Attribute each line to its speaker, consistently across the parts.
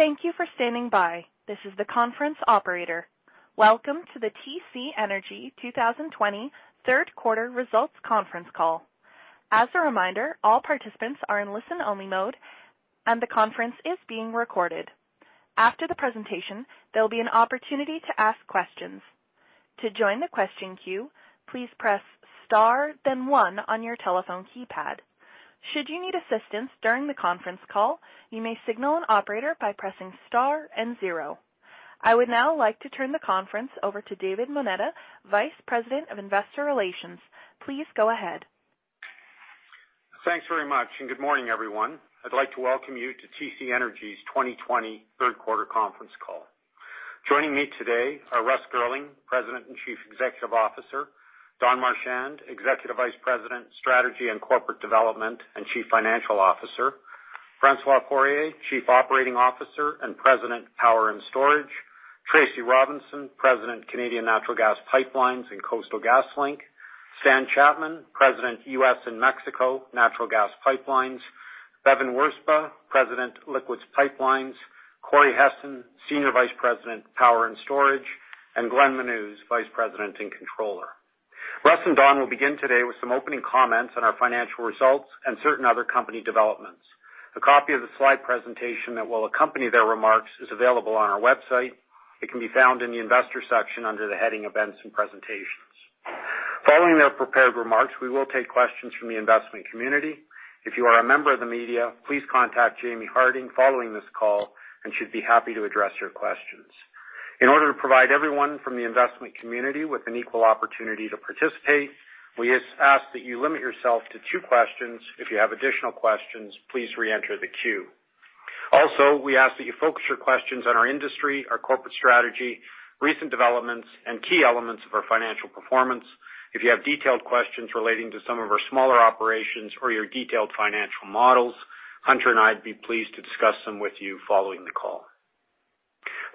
Speaker 1: Thank you for standing by. This is the conference operator. Welcome to the TC Energy 2020 Third Quarter Results Conference Call. As a reminder, all participants are in listen-only mode, and the conference is being recorded. I would now like to turn the conference over to David Moneta, Vice President of Investor Relations. Please go ahead.
Speaker 2: Thanks very much. Good morning, everyone. I'd like to welcome you to TC Energy's 2020 third quarter conference call. Joining me today are Russ Girling, President and Chief Executive Officer. Don Marchand, Executive Vice President, Strategy and Corporate Development, and Chief Financial Officer. François Poirier, Chief Operating Officer and President, Power and Storage. Tracy Robinson, President, Canadian Natural Gas Pipelines and Coastal GasLink. Stan Chapman, President, U.S. and Mexico Natural Gas Pipelines. Bevin Wirzba, President, Liquids Pipelines. Corey Hessen, Senior Vice President, Power and Storage, and Glenn Menuz, Vice President and Controller. Russ and Don will begin today with some opening comments on our financial results and certain other company developments. A copy of the slide presentation that will accompany their remarks is available on our website. It can be found in the investor section under the heading Events and Presentations. Following their prepared remarks, we will take questions from the investment community. If you are a member of the media, please contact Jaimie Harding following this call, and she would be happy to address your questions. In order to provide everyone from the investment community with an equal opportunity to participate, we ask that you limit yourself to two questions. If you have additional questions, please re-enter the queue. Also, we ask that you focus your questions on our industry, our corporate strategy, recent developments, and key elements of our financial performance. If you have detailed questions relating to some of our smaller operations or your detailed financial models, Hunter and I would be pleased to discuss them with you following the call.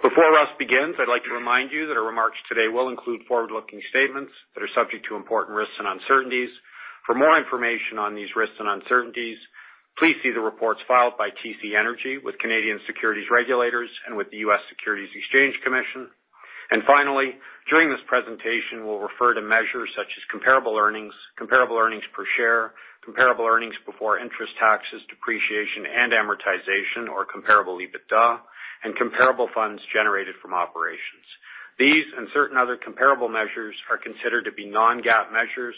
Speaker 2: Before Russ begins, I would like to remind you that our remarks today will include forward-looking statements that are subject to important risks and uncertainties. For more information on these risks and uncertainties, please see the reports filed by TC Energy with Canadian securities regulators and with the U.S. Securities and Exchange Commission. Finally, during this presentation, we'll refer to measures such as comparable earnings, comparable earnings per share, comparable earnings before interest, taxes, depreciation, and amortization, or comparable EBITDA, and comparable funds generated from operations. These and certain other comparable measures are considered to be non-GAAP measures.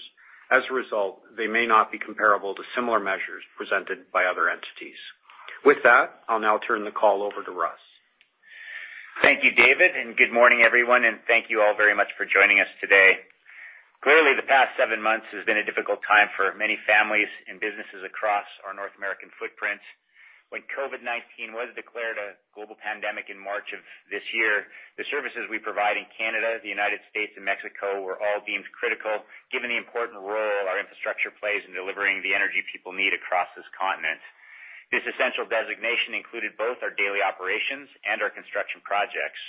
Speaker 2: As a result, they may not be comparable to similar measures presented by other entities. With that, I'll now turn the call over to Russ Girling.
Speaker 3: Thank you, David. Good morning, everyone. Thank you all very much for joining us today. Clearly, the past seven months has been a difficult time for many families and businesses across our North American footprint. When COVID-19 was declared a global pandemic in March of this year, the services we provide in Canada, the U.S., and Mexico were all deemed critical, given the important role our infrastructure plays in delivering the energy people need across this continent. This essential designation included both our daily operations and our construction projects.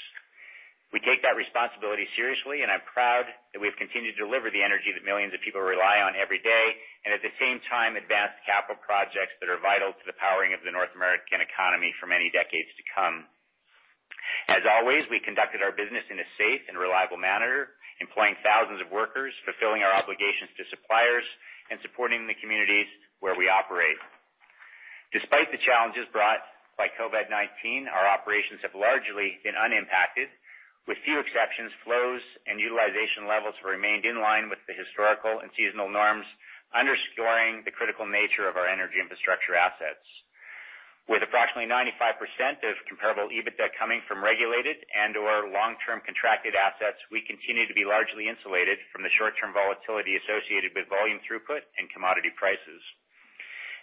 Speaker 3: We take that responsibility seriously. I'm proud that we've continued to deliver the energy that millions of people rely on every day and at the same time, advanced capital projects that are vital to the powering of the North American economy for many decades to come. As always, we conducted our business in a safe and reliable manner, employing thousands of workers, fulfilling our obligations to suppliers, and supporting the communities where we operate. Despite the challenges brought by COVID-19, our operations have largely been unimpacted. With few exceptions, flows and utilization levels remained in line with the historical and seasonal norms, underscoring the critical nature of our energy infrastructure assets. With approximately 95% of comparable EBITDA coming from regulated and/or long-term contracted assets, we continue to be largely insulated from the short-term volatility associated with volume throughput and commodity prices.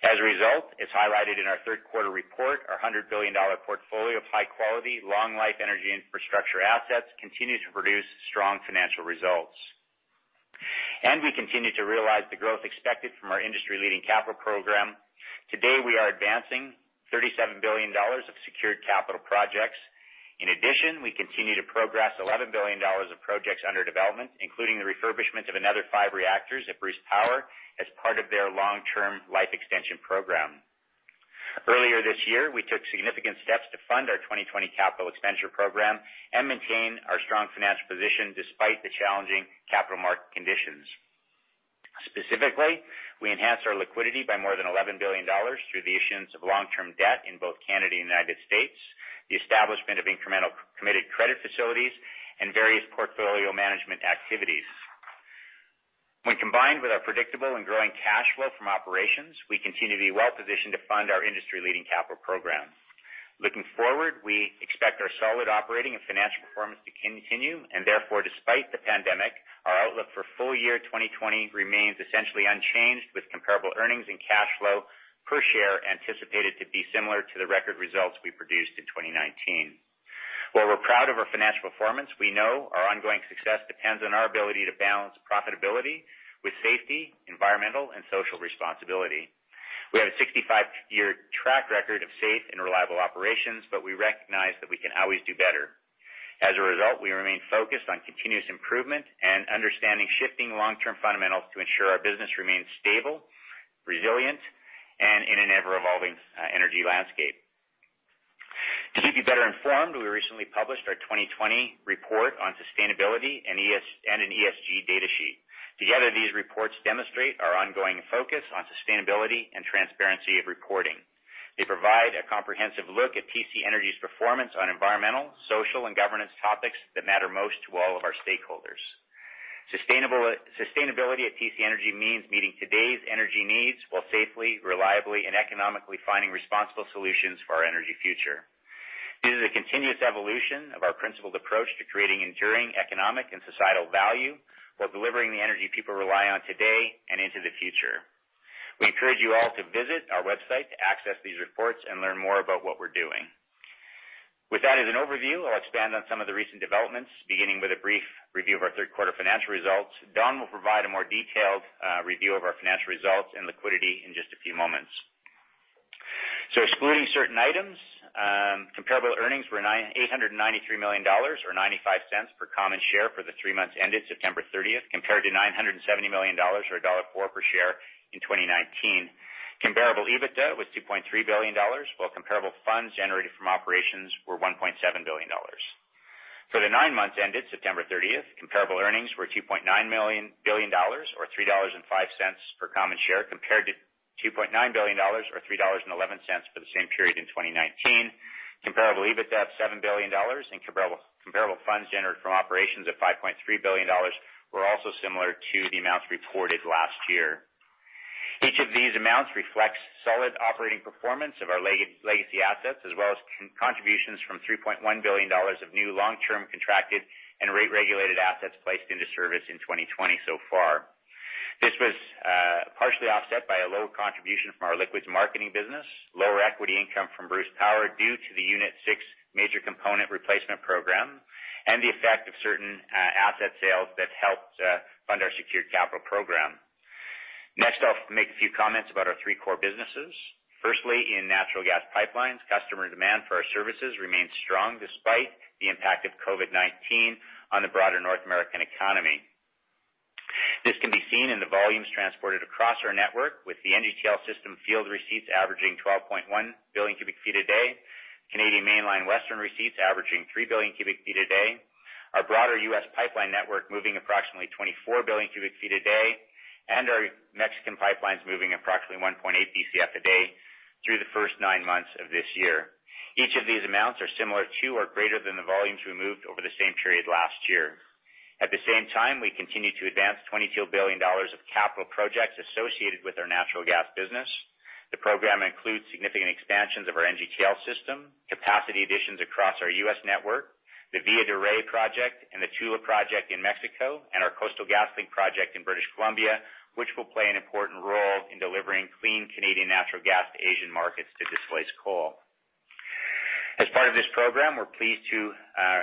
Speaker 3: As a result, as highlighted in our third quarter report, our 100 billion portfolio of high-quality, long-life energy infrastructure assets continues to produce strong financial results. We continue to realize the growth expected from our industry-leading capital program. Today, we are advancing 37 billion dollars of secured capital projects. In addition, we continue to progress 11 billion dollars of projects under development, including the refurbishment of another five reactors at Bruce Power as part of their long-term life extension program. Earlier this year, we took significant steps to fund our 2020 capital expenditure program and maintain our strong financial position despite the challenging capital market conditions. Specifically, we enhanced our liquidity by more than 11 billion dollars through the issuance of long-term debt in both Canada and the U.S., the establishment of incremental committed credit facilities, and various portfolio management activities. When combined with our predictable and growing cash flow from operations, we continue to be well-positioned to fund our industry-leading capital program. Looking forward, we expect our solid operating and financial performance to continue, and therefore, despite the pandemic, our outlook for full-year 2020 remains essentially unchanged, with comparable earnings and cash flow per share anticipated to be similar to the record results we produced in 2019. While we're proud of our financial performance, we know our ongoing success depends on our ability to balance profitability with safety, environmental, and social responsibility. We have a 65-year track record of safe and reliable operations, but we recognize that we can always do better. As a result, we remain focused on continuous improvement and understanding shifting long-term fundamentals to ensure our business remains stable, resilient, and in an ever-evolving energy landscape. To keep you better informed, we recently published our 2020 report on sustainability and an environmental, social and governance data sheet. Together, these reports demonstrate our ongoing focus on sustainability and transparency of reporting. They provide a comprehensive look at TC Energy's performance on environmental, social, and governance topics that matter most to all of our stakeholders. Sustainability at TC Energy means meeting today's energy needs while safely, reliably, and economically finding responsible solutions for our energy future. It is a continuous evolution of our principled approach to creating enduring economic and societal value, while delivering the energy people rely on today and into the future. We encourage you all to visit our website to access these reports and learn more about what we're doing. With that as an overview, I'll expand on some of the recent developments, beginning with a brief review of our third quarter financial results. Don will provide a more detailed, review of our financial results and liquidity in just a few moments. Excluding certain items, comparable earnings were 893 million dollars, or 0.95 per common share for the three months ended September 30th, compared to 970 million dollars or dollar 1.04 per share in 2019. Comparable EBITDA was 2.3 billion dollars, while comparable funds generated from operations were 1.7 billion dollars. For the nine months ended September 30th, comparable earnings were 2.9 billion dollars, or 3.05 dollars per common share, compared to 2.9 billion dollars or 3.11 dollars for the same period in 2019. Comparable EBITDA of 7 billion dollars and comparable funds generated from operations of 5.3 billion dollars were also similar to the amounts reported last year. Each of these amounts reflects solid operating performance of our legacy assets as well as contributions from 3.1 billion dollars of new long-term contracted and rate-regulated assets placed into service in 2020 so far. This was partially offset by a lower contribution from our liquids marketing business, lower equity income from Bruce Power due to the Unit 6 Major Component Replacement Program, and the effect of certain asset sales that helped fund our secured capital program. Next, I'll make a few comments about our three core businesses. Firstly, in natural gas pipelines, customer demand for our services remained strong despite the impact of COVID-19 on the broader North American economy. This can be seen in the volumes transported across our network with the NGTL System field receipts averaging 12.1 billion cubic feet a day, Canadian Mainline Western receipts averaging 3 billion cubic feet a day, our broader U.S. pipeline network moving approximately 24 billion cubic feet a day, and our Mexican pipelines moving approximately 1.8 Bcf a day through the first nine months of this year. Each of these amounts are similar to or greater than the volumes we moved over the same period last year. At the same time, we continue to advance 22 billion dollars of capital projects associated with our natural gas business. The program includes significant expansions of our NGTL System, capacity additions across our U.S. network, the Villa de Reyes project and the Tula project in Mexico, and our Coastal GasLink project in British Columbia, which will play an important role in delivering clean Canadian natural gas to Asian markets to displace coal. As part of this program, we're pleased to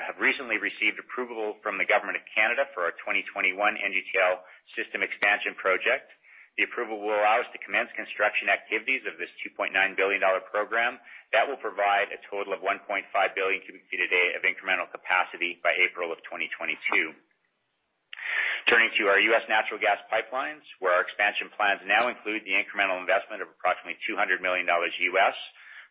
Speaker 3: have recently received approval from the Government of Canada for our 2021 NGTL System expansion project. The approval will allow us to commence construction activities of this 2.9 billion dollar program that will provide a total of 1.5 billion cubic feet a day of incremental capacity by April of 2022. Turning to our U.S. natural gas pipelines, where our expansion plans now include the incremental investment of approximately $200 million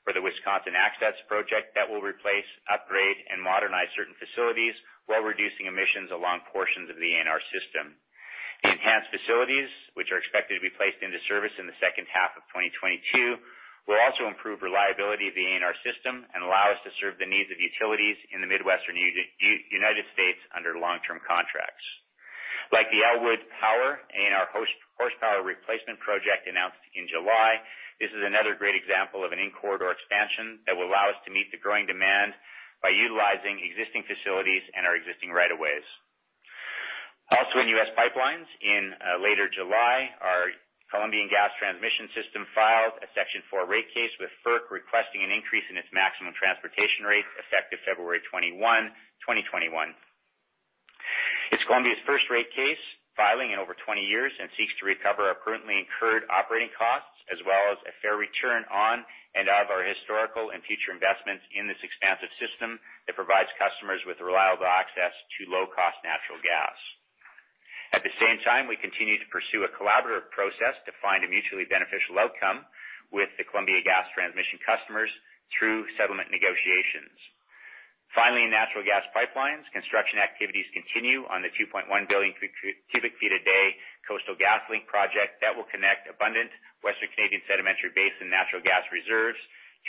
Speaker 3: for the Wisconsin Access Project that will replace, upgrade, and modernize certain facilities while reducing emissions along portions of the American Natural Resources system. The enhanced facilities, which are expected to be placed into service in the second half of 2022, will also improve reliability of the ANR system and allow us to serve the needs of utilities in the Midwestern United States under long-term contracts. Like the Elwood Power ANR Horsepower Replacement Project announced in July, this is another great example of an in-corridor expansion that will allow us to meet the growing demand by utilizing existing facilities and our existing right-of-ways. In U.S. pipelines, in later July, our Columbia Gas Transmission system filed a Section 4 rate case with Federal Energy Regulatory Commission requesting an increase in its maximum transportation rates effective February 21, 2021. It's Columbia's first rate case filing in over 20 years and seeks to recover our currently incurred operating costs as well as a fair return on and of our historical and future investments in this expansive system that provides customers with reliable access to low-cost natural gas. At the same time, we continue to pursue a collaborative process to find a mutually beneficial outcome with the Columbia Gas Transmission customers through settlement negotiations. Finally, in natural gas pipelines, construction activities continue on the 2.1 billion cubic feet a day Coastal GasLink project that will connect abundant Western Canadian sedimentary basin natural gas reserves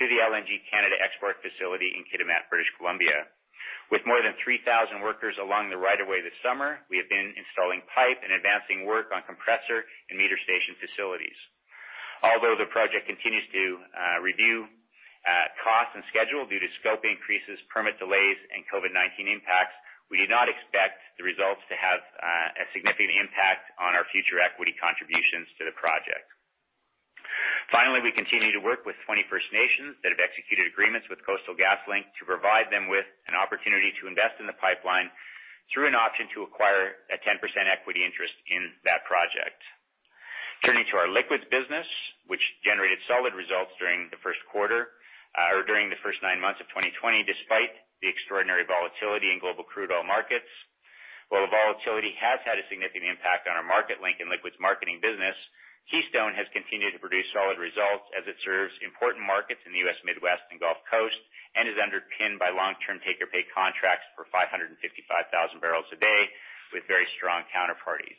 Speaker 3: to the LNG Canada export facility in Kitimat, British Columbia. With more than 3,000 workers along the right of way this summer, we have been installing pipe and advancing work on compressor and meter station facilities. Although the project continues to review cost and schedule due to scope increases, permit delays, and COVID-19 impacts, we do not expect the results to have a significant impact on our future equity contributions to the project. Finally, we continue to work with 20 First Nations that have executed agreements with Coastal GasLink to provide them with an opportunity to invest in the pipeline through an option to acquire a 10% equity interest in that project. Turning to our liquids business, which generated solid results during the first quarter or during the first nine months of 2020, despite the extraordinary volatility in global crude oil markets. While the volatility has had a significant impact on our market-linked and liquids marketing business, Keystone has continued to produce solid results as it serves important markets in the U.S. Midwest and Gulf Coast and is underpinned by long-term take-or-pay contracts for 555,000 bbl a day with very strong counterparties.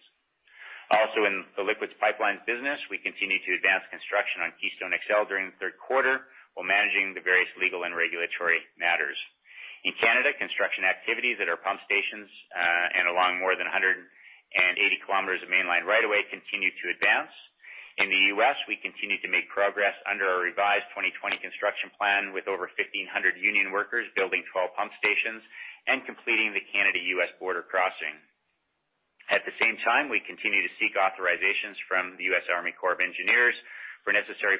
Speaker 3: Also, in the liquids pipelines business, we continue to advance construction on Keystone XL during the third quarter while managing the various legal and regulatory matters. In Canada, construction activities at our pump stations, and along more than 180 km of mainline right of way, continue to advance. In the U.S., we continue to make progress under our revised 2020 construction plan with over 1,500 union workers building 12 pump stations and completing the Canada-U.S. border crossing. At the same time, we continue to seek authorizations from the U.S. Army Corps of Engineers for necessary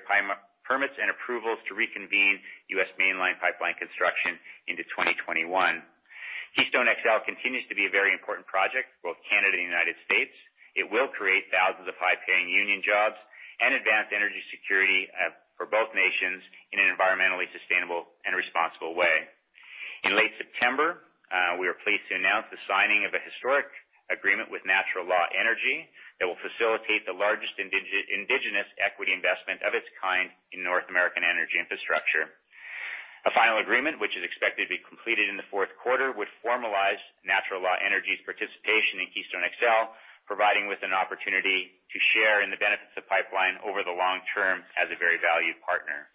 Speaker 3: permits and approvals to reconvene U.S. mainline pipeline construction into 2021. Keystone XL continues to be a very important project, both Canada and the U.S. It will create thousands of high-paying union jobs and advance energy security for both nations in an environmentally sustainable and responsible way. In late September, we were pleased to announce the signing of a historic agreement with Natural Law Energy that will facilitate the largest indigenous equity investment of its kind in North American energy infrastructure. A final agreement, which is expected to be completed in the fourth quarter, would formalize Natural Law Energy's participation in Keystone XL, providing with an opportunity to share in the benefits of pipeline over the long term as a very valued partner.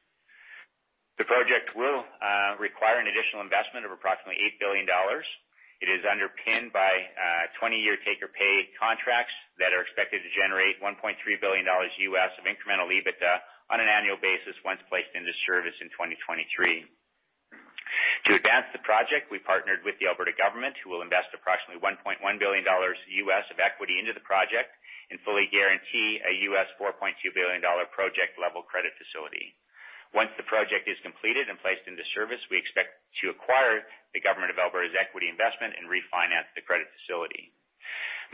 Speaker 3: The project will require an additional investment of approximately $8 billion. It is underpinned by 20-year take-or-pay contracts that are expected to generate $1.3 billion U.S. of incremental EBITDA on an annual basis once placed into service in 2023. To advance the project, we partnered with the Alberta government, who will invest approximately $1.1 billion U.S. of equity into the project and fully guarantee a U.S. $4.2 billion project-level credit facility. Once the project is completed and placed into service, we expect to acquire the government of Alberta's equity investment and refinance the credit facility.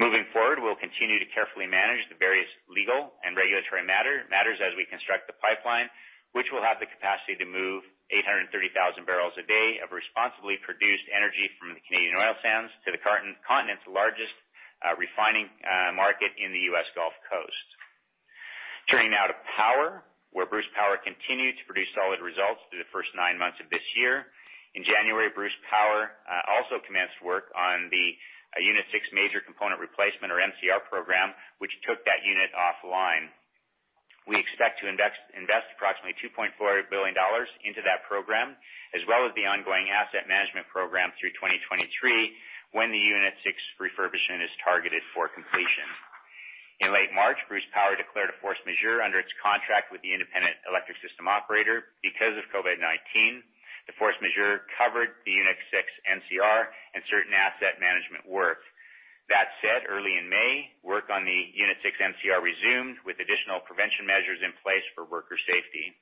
Speaker 3: Moving forward, we'll continue to carefully manage the various legal and regulatory matters as we construct the pipeline, which will have the capacity to move 830,000 bbl a day of responsibly-produced energy from the Canadian oil sands to the continent's largest refining market in the U.S. Gulf Coast. Turning now to power, where Bruce Power continued to produce solid results through the first nine months of this year. In January, Bruce Power also commenced work on the Unit 6 Major Component Replacement or MCR program, which took that unit offline. We expect to invest approximately 2.4 billion dollars into that program, as well as the ongoing asset management program through 2023 when the Unit 6 refurbishment is targeted for completion. In late March, Bruce Power declared a force majeure under its contract with the Independent Electricity System Operator because of COVID-19. The force majeure covered the Unit 6 MCR and certain asset management work. That said, early in May, work on the Unit 6 MCR resumed with additional prevention measures in place for worker safety.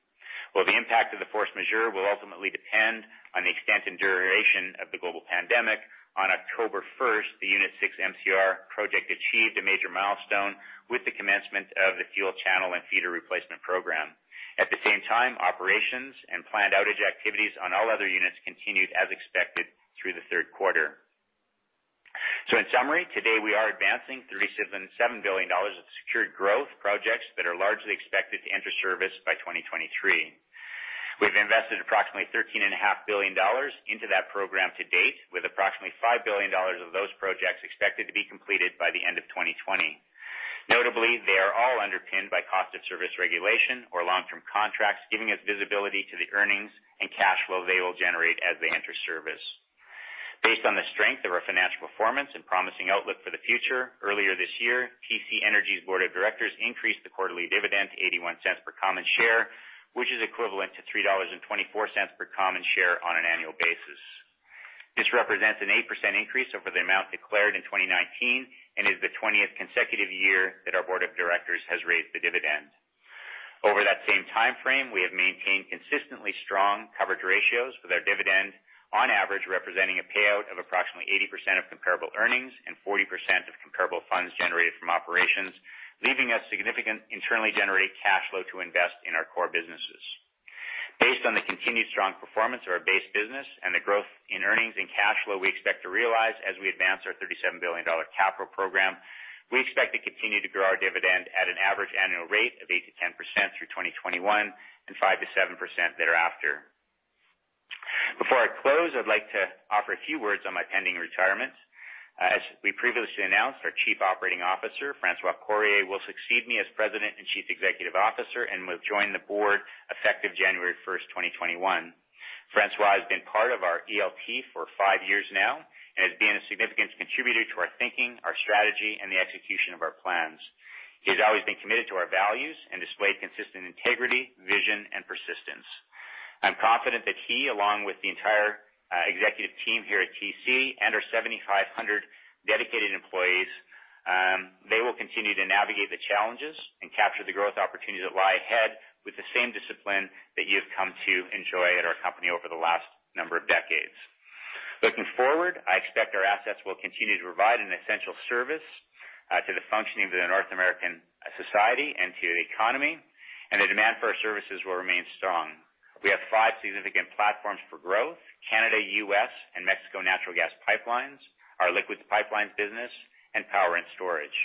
Speaker 3: While the impact of the force majeure will ultimately depend on the extent and duration of the global pandemic, on October 1st, the Unit 6 MCR project achieved a major milestone with the commencement of the fuel channel and feeder replacement program. At the same time, operations and planned outage activities on all other units continued as expected through the third quarter. In summary, today we are advancing 37 billion dollars of secured growth projects that are largely expected to enter service by 2023. We've invested approximately 13.5 billion dollars into that program to date, with approximately 5 billion dollars of those projects expected to be completed by the end of 2020. Notably, they are all underpinned by cost of service regulation or long-term contracts, giving us visibility to the earnings and cash flow they will generate as they enter service. Based on the strength of our financial performance and promising outlook for the future, earlier this year, TC Energy's board of directors increased the quarterly dividend to 0.81 per common share, which is equivalent to 3.24 dollars per common share on an annual basis. This represents an 8% increase over the amount declared in 2019 and is the 20th consecutive year that our board of directors has raised the dividend. Over that same timeframe, we have maintained consistently strong coverage ratios with our dividend, on average representing a payout of approximately 80% of comparable earnings and 40% of comparable funds generated from operations, leaving us significant internally generated cash flow to invest in our core businesses. Based on the continued strong performance of our base business and the growth in earnings and cash flow we expect to realize as we advance our 37 billion dollar capital program, we expect to continue to grow our dividend at an average annual rate of 8%-10% through 2021 and 5%-7% thereafter. Before I close, I'd like to offer a few words on my pending retirement. As we previously announced, our Chief Operating Officer, François Poirier, will succeed me as President and Chief Executive Officer and will join the board effective January 1st, 2021. François has been part of our Executive Leadership Team for five years now and has been a significant contributor to our thinking, our strategy, and the execution of our plans. He has always been committed to our values and displayed consistent integrity, vision, and persistence. I'm confident that he, along with the entire executive team here at TC and our 7,500 dedicated employees, they will continue to navigate the challenges and capture the growth opportunities that lie ahead with the same discipline that you have come to enjoy at our company over the last number of decades. Looking forward, I expect our assets will continue to provide an essential service to the functioning of the North American society and to the economy, and the demand for our services will remain strong. We have five significant platforms for growth: Canada, U.S., and Mexico Natural Gas Pipelines, our Liquids Pipelines business, and Power and Storage.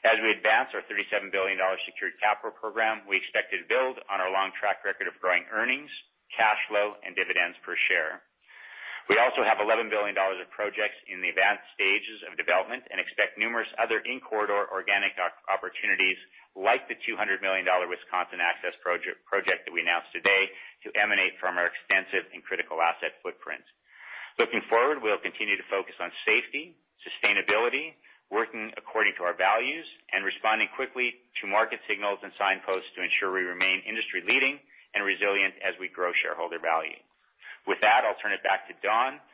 Speaker 3: As we advance our 37 billion dollar secured capital program, we expect to build on our long track record of growing earnings, cash flow, and dividends per share. We also have 11 billion dollars of projects in the advanced stages of development and expect numerous other in-corridor organic opportunities, like the $200 million Wisconsin Access Project that we announced today, to emanate from our extensive and critical asset footprint. Looking forward, we'll continue to focus on safety, sustainability, working according to our values, and responding quickly to market signals and signposts to ensure we remain industry-leading and resilient as we grow shareholder value. With that, I'll turn it back to Don Marchand,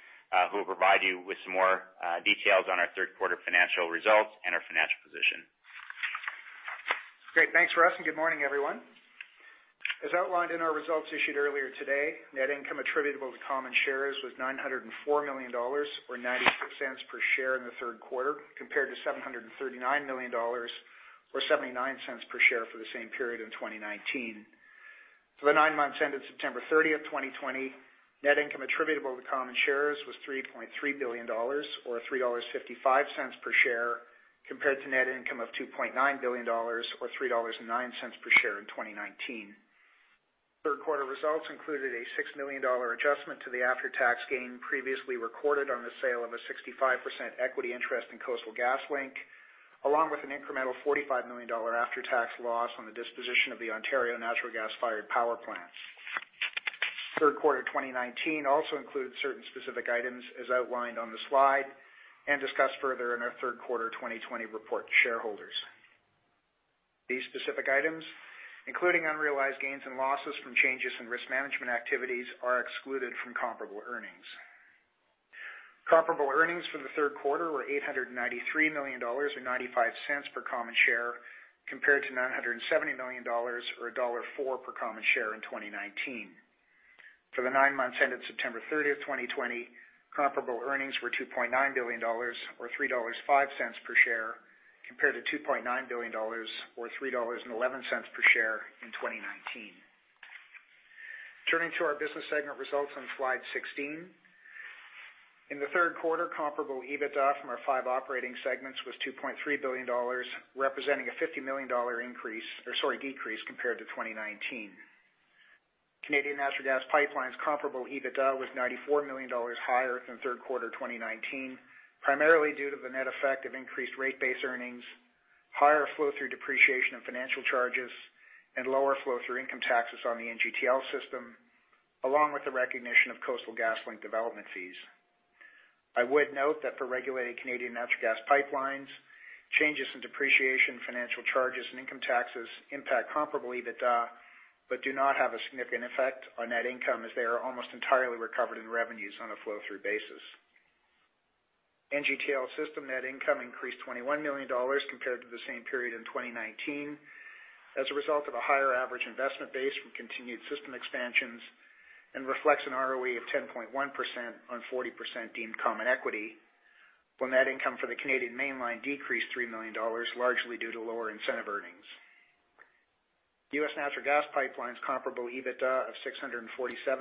Speaker 3: who will provide you with some more details on our third quarter financial results and our financial position.
Speaker 4: Great. Thanks, Russ, good morning, everyone. As outlined in our results issued earlier today, net income attributable to common shares was 904 million dollars, or 0.96 per share in the third quarter, compared to 739 million dollars, or 0.79 per share for the same period in 2019. For the nine months ended September 30th, 2020, net income attributable to common shares was 3.3 billion dollars, or 3.55 dollars per share, compared to net income of 2.9 billion dollars or 3.09 dollars per share in 2019. Third quarter results included a 6 million dollar adjustment to the after-tax gain previously recorded on the sale of a 65% equity interest in Coastal GasLink, along with an incremental 45 million dollar after-tax loss on the disposition of the Ontario natural gas-fired power plants. Third quarter 2019 also includes certain specific items as outlined on the slide and discussed further in our third quarter 2020 report to shareholders. These specific items, including unrealized gains and losses from changes in risk management activities, are excluded from comparable earnings. Comparable earnings for the third quarter were 893 million dollars or 0.95 per common share compared to 970 million dollars or dollar 1.04 per common share in 2019. For the nine months ended September 30th, 2020, comparable earnings were 2.9 billion dollars or 3.05 dollars per share, compared to 2.9 billion dollars or 3.11 dollars per share in 2019. Turning to our business segment results on slide 16. In the third quarter, comparable EBITDA from our five operating segments was 2.3 billion dollars, representing a 50 million dollar decrease compared to 2019. Canadian Natural Gas Pipelines comparable EBITDA was 94 million dollars higher than third quarter 2019, primarily due to the net effect of increased rate base earnings, higher flow-through depreciation and financial charges, and lower flow-through income taxes on the NGTL System, along with the recognition of Coastal GasLink development fees. I would note that for regulated Canadian Natural Gas Pipelines, changes in depreciation, financial charges, and income taxes impact comparable EBITDA, but do not have a significant effect on net income, as they are almost entirely recovered in revenues on a flow-through basis. NGTL System net income increased 21 million dollars compared to the same period in 2019, as a result of a higher average investment base from continued system expansions and reflects an ROE of 10.1% on 40% deemed common equity, while net income for the Canadian Mainline decreased 3 million dollars, largely due to lower incentive earnings. U.S. Natural Gas Pipelines comparable EBITDA of $647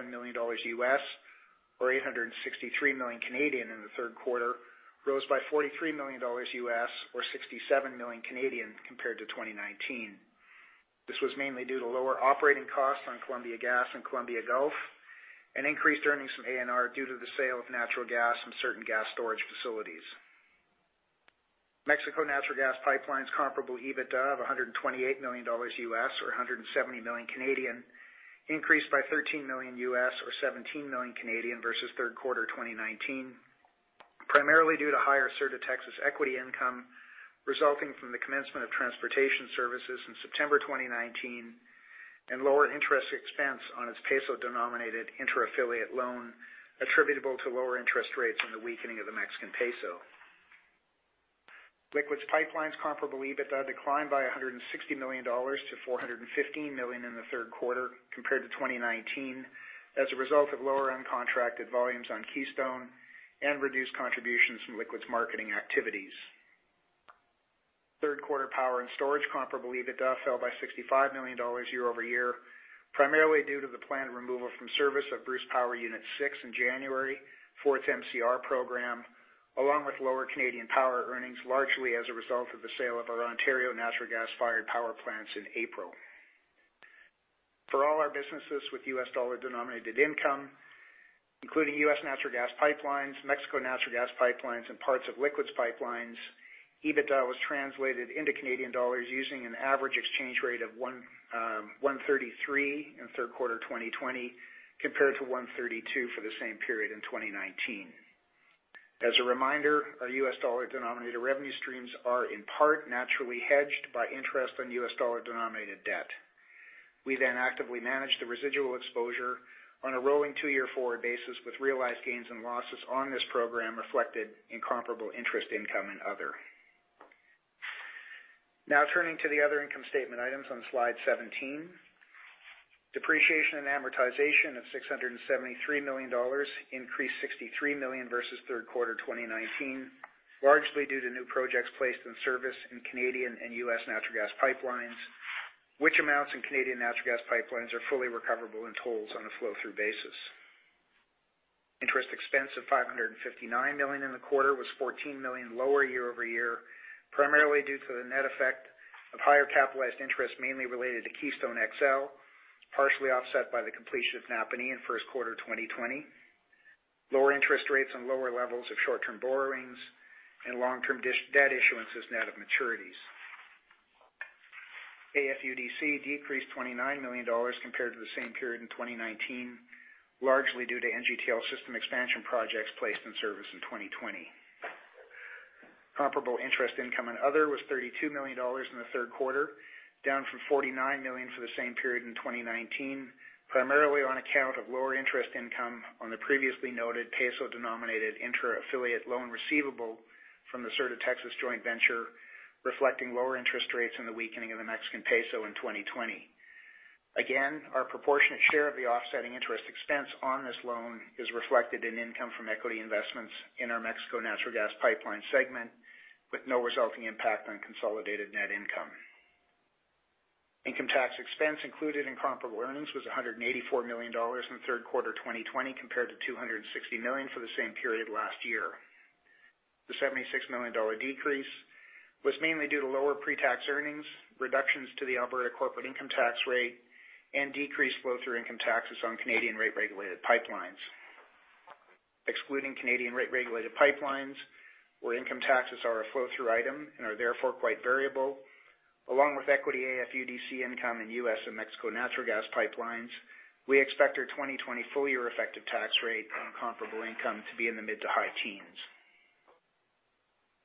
Speaker 4: million, or 863 million in the third quarter, rose by $43 million, or 67 million compared to 2019. This was mainly due to lower operating costs on Columbia Gas and Columbia Gulf and increased earnings from American Natural Resources due to the sale of natural gas and certain gas storage facilities. Mexico Natural Gas Pipelines comparable EBITDA of $128 million, or 170 million Canadian dollars, increased by $13 million, or 17 million Canadian dollars versus third quarter 2019, primarily due to higher Sur de Texas equity income resulting from the commencement of transportation services in September 2019 and lower interest expense on its peso-denominated intra-affiliate loan attributable to lower interest rates and the weakening of the Mexican peso. Liquids Pipelines comparable EBITDA declined by 160 million dollars to 415 million in the third quarter compared to 2019 as a result of lower uncontracted volumes on Keystone and reduced contributions from liquids marketing activities. Third quarter Power and Storage comparable EBITDA fell by 65 million dollars year-over-year, primarily due to the planned removal from service of Bruce Power Unit 6 in January for its MCR program, along with lower Canadian power earnings, largely as a result of the sale of our Ontario natural gas-fired power plants in April. For all our businesses with U.S. dollar-denominated income, including U.S. Natural Gas Pipelines, Mexico Natural Gas Pipelines, and parts of Liquids Pipelines, EBITDA was translated into Canadian dollars using an average exchange rate of 1.33 in third quarter 2020 compared to 1.32 for the same period in 2019. As a reminder, our US dollar-denominated revenue streams are in part naturally hedged by interest on US dollar-denominated debt. We actively manage the residual exposure on a rolling two-year forward basis with realized gains and losses on this program reflected in comparable interest income and other. Turning to the other income statement items on slide 17. Depreciation and amortization of 673 million dollars increased 63 million versus third quarter 2019, largely due to new projects placed in service in Canadian and U.S. Natural Gas Pipelines, which amounts in Canadian Natural Gas Pipelines are fully recoverable in tolls on a flow-through basis. Interest expense of 559 million in the quarter was 14 million lower year-over-year, primarily due to the net effect of higher capitalized interest, mainly related to Keystone XL, partially offset by the completion of Napanee in first quarter 2020. Lower interest rates and lower levels of short-term borrowings and long-term debt issuances, net of maturities. Allowance for funds used during construction decreased 29 million dollars compared to the same period in 2019, largely due to NGTL System expansion projects placed in service in 2020. Comparable interest income and other was 32 million dollars in the third quarter, down from 49 million for the same period in 2019, primarily on account of lower interest income on the previously noted peso-denominated intra-affiliate loan receivable from the Sur de Texas joint venture, reflecting lower interest rates and the weakening of the Mexican peso in 2020. Again, our proportionate share of the offsetting interest expense on this loan is reflected in income from equity investments in our Mexico Natural Gas Pipelines segment, with no resulting impact on consolidated net income. Income tax expense included in comparable earnings was 184 million dollars in the third quarter 2020, compared to 260 million for the same period last year. The 76 million dollar decrease was mainly due to lower pre-tax earnings, reductions to the Alberta corporate income tax rate, and decreased flow-through income taxes on Canadian rate-regulated pipelines. Excluding Canadian rate-regulated pipelines, where income taxes are a flow-through item and are therefore quite variable, along with equity AFUDC income in U.S. and Mexico Natural Gas Pipelines, we expect our 2020 full-year effective tax rate on comparable income to be in the mid to high teens.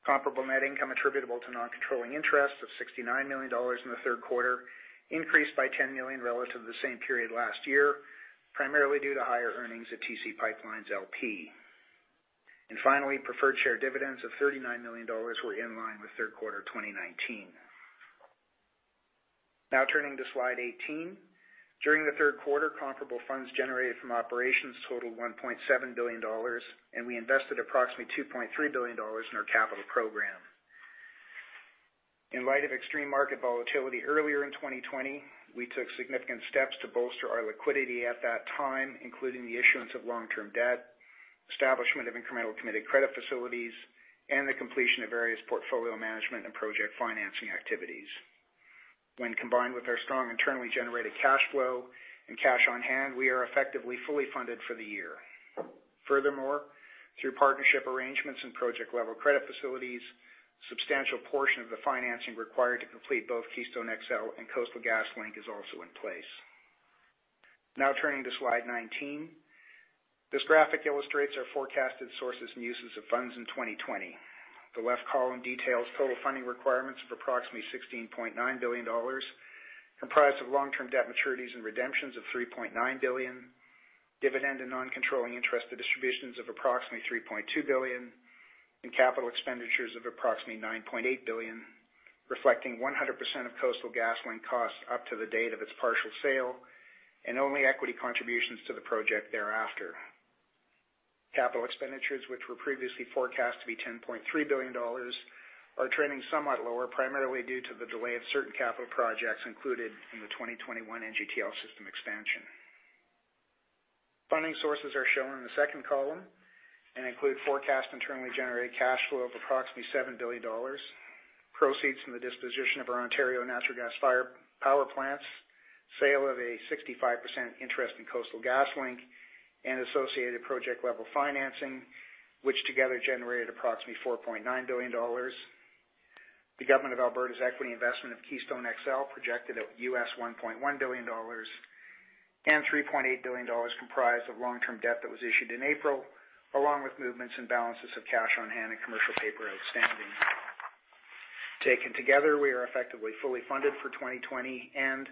Speaker 4: Comparable net income attributable to non-controlling interests of 69 million dollars in the third quarter increased by 10 million relative to the same period last year, primarily due to higher earnings at TC PipeLines, LP. Finally, preferred share dividends of 39 million dollars were in line with third quarter 2019. Now turning to slide 18. During the third quarter, comparable funds generated from operations totaled 1.7 billion dollars, and we invested approximately 2.3 billion dollars in our capital program. In light of extreme market volatility earlier in 2020, we took significant steps to bolster our liquidity at that time, including the issuance of long-term debt, establishment of incremental committed credit facilities, and the completion of various portfolio management and project financing activities. When combined with our strong internally-generated cash flow and cash on hand, we are effectively fully funded for the year. Furthermore, through partnership arrangements and project-level credit facilities, substantial portion of the financing required to complete both Keystone XL and Coastal GasLink is also in place. Now turning to slide 19. This graphic illustrates our forecasted sources and uses of funds in 2020. The left column details total funding requirements of approximately 16.9 billion dollars, comprised of long-term debt maturities and redemptions of 3.9 billion, dividend and non-controlling interest to distributions of approximately 3.2 billion, and capital expenditures of approximately 9.8 billion, reflecting 100% of Coastal GasLink costs up to the date of its partial sale and only equity contributions to the project thereafter. Capital expenditures, which were previously forecast to be 10.3 billion dollars, are trending somewhat lower, primarily due to the delay of certain capital projects included in the 2021 NGTL System expansion. Funding sources are shown in the second column and include forecast internally generated cash flow of approximately 7 billion dollars, proceeds from the disposition of our Ontario natural gas-fired power plants, sale of a 65% interest in Coastal GasLink, and associated project-level financing, which together generated approximately 4.9 billion dollars. The government of Alberta's equity investment of Keystone XL projected at $1.1 billion and $3.8 billion comprised of long-term debt that was issued in April, along with movements and balances of cash on hand and commercial paper outstanding. Taken together, we are effectively fully funded for 2020 and,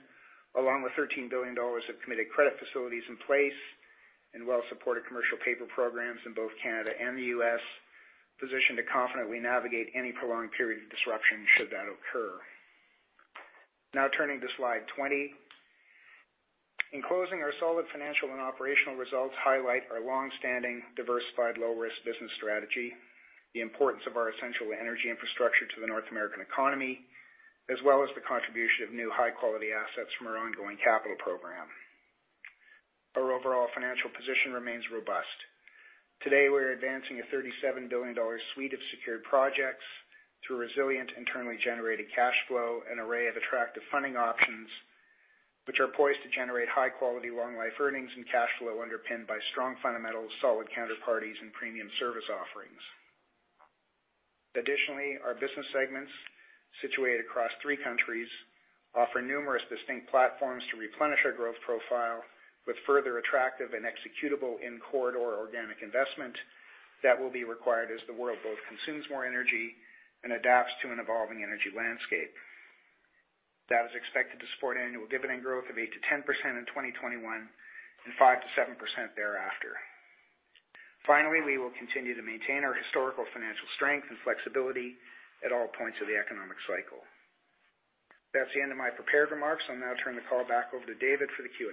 Speaker 4: along with $13 billion of committed credit facilities in place and well-supported commercial paper programs in both Canada and the U.S., positioned to confidently navigate any prolonged period of disruption should that occur. Now turning to slide 20. In closing, our solid financial and operational results highlight our longstanding, diversified, low-risk business strategy, the importance of our essential energy infrastructure to the North American economy, as well as the contribution of new high-quality assets from our ongoing capital program. Our overall financial position remains robust. Today, we are advancing a 37 billion dollar suite of secured projects through resilient, internally-generated cash flow and array of attractive funding options, which are poised to generate high-quality, long-life earnings and cash flow underpinned by strong fundamentals, solid counterparties, and premium service offerings. Additionally, our business segments situated across three countries offer numerous distinct platforms to replenish our growth profile with further attractive and executable in-corridor organic investment that will be required as the world both consumes more energy and adapts to an evolving energy landscape. That is expected to support annual dividend growth of 8%-10% in 2021 and 5%-7% thereafter. Finally, we will continue to maintain our historical financial strength and flexibility at all points of the economic cycle. That's the end of my prepared remarks. I'll now turn the call back over to David for the Q&A.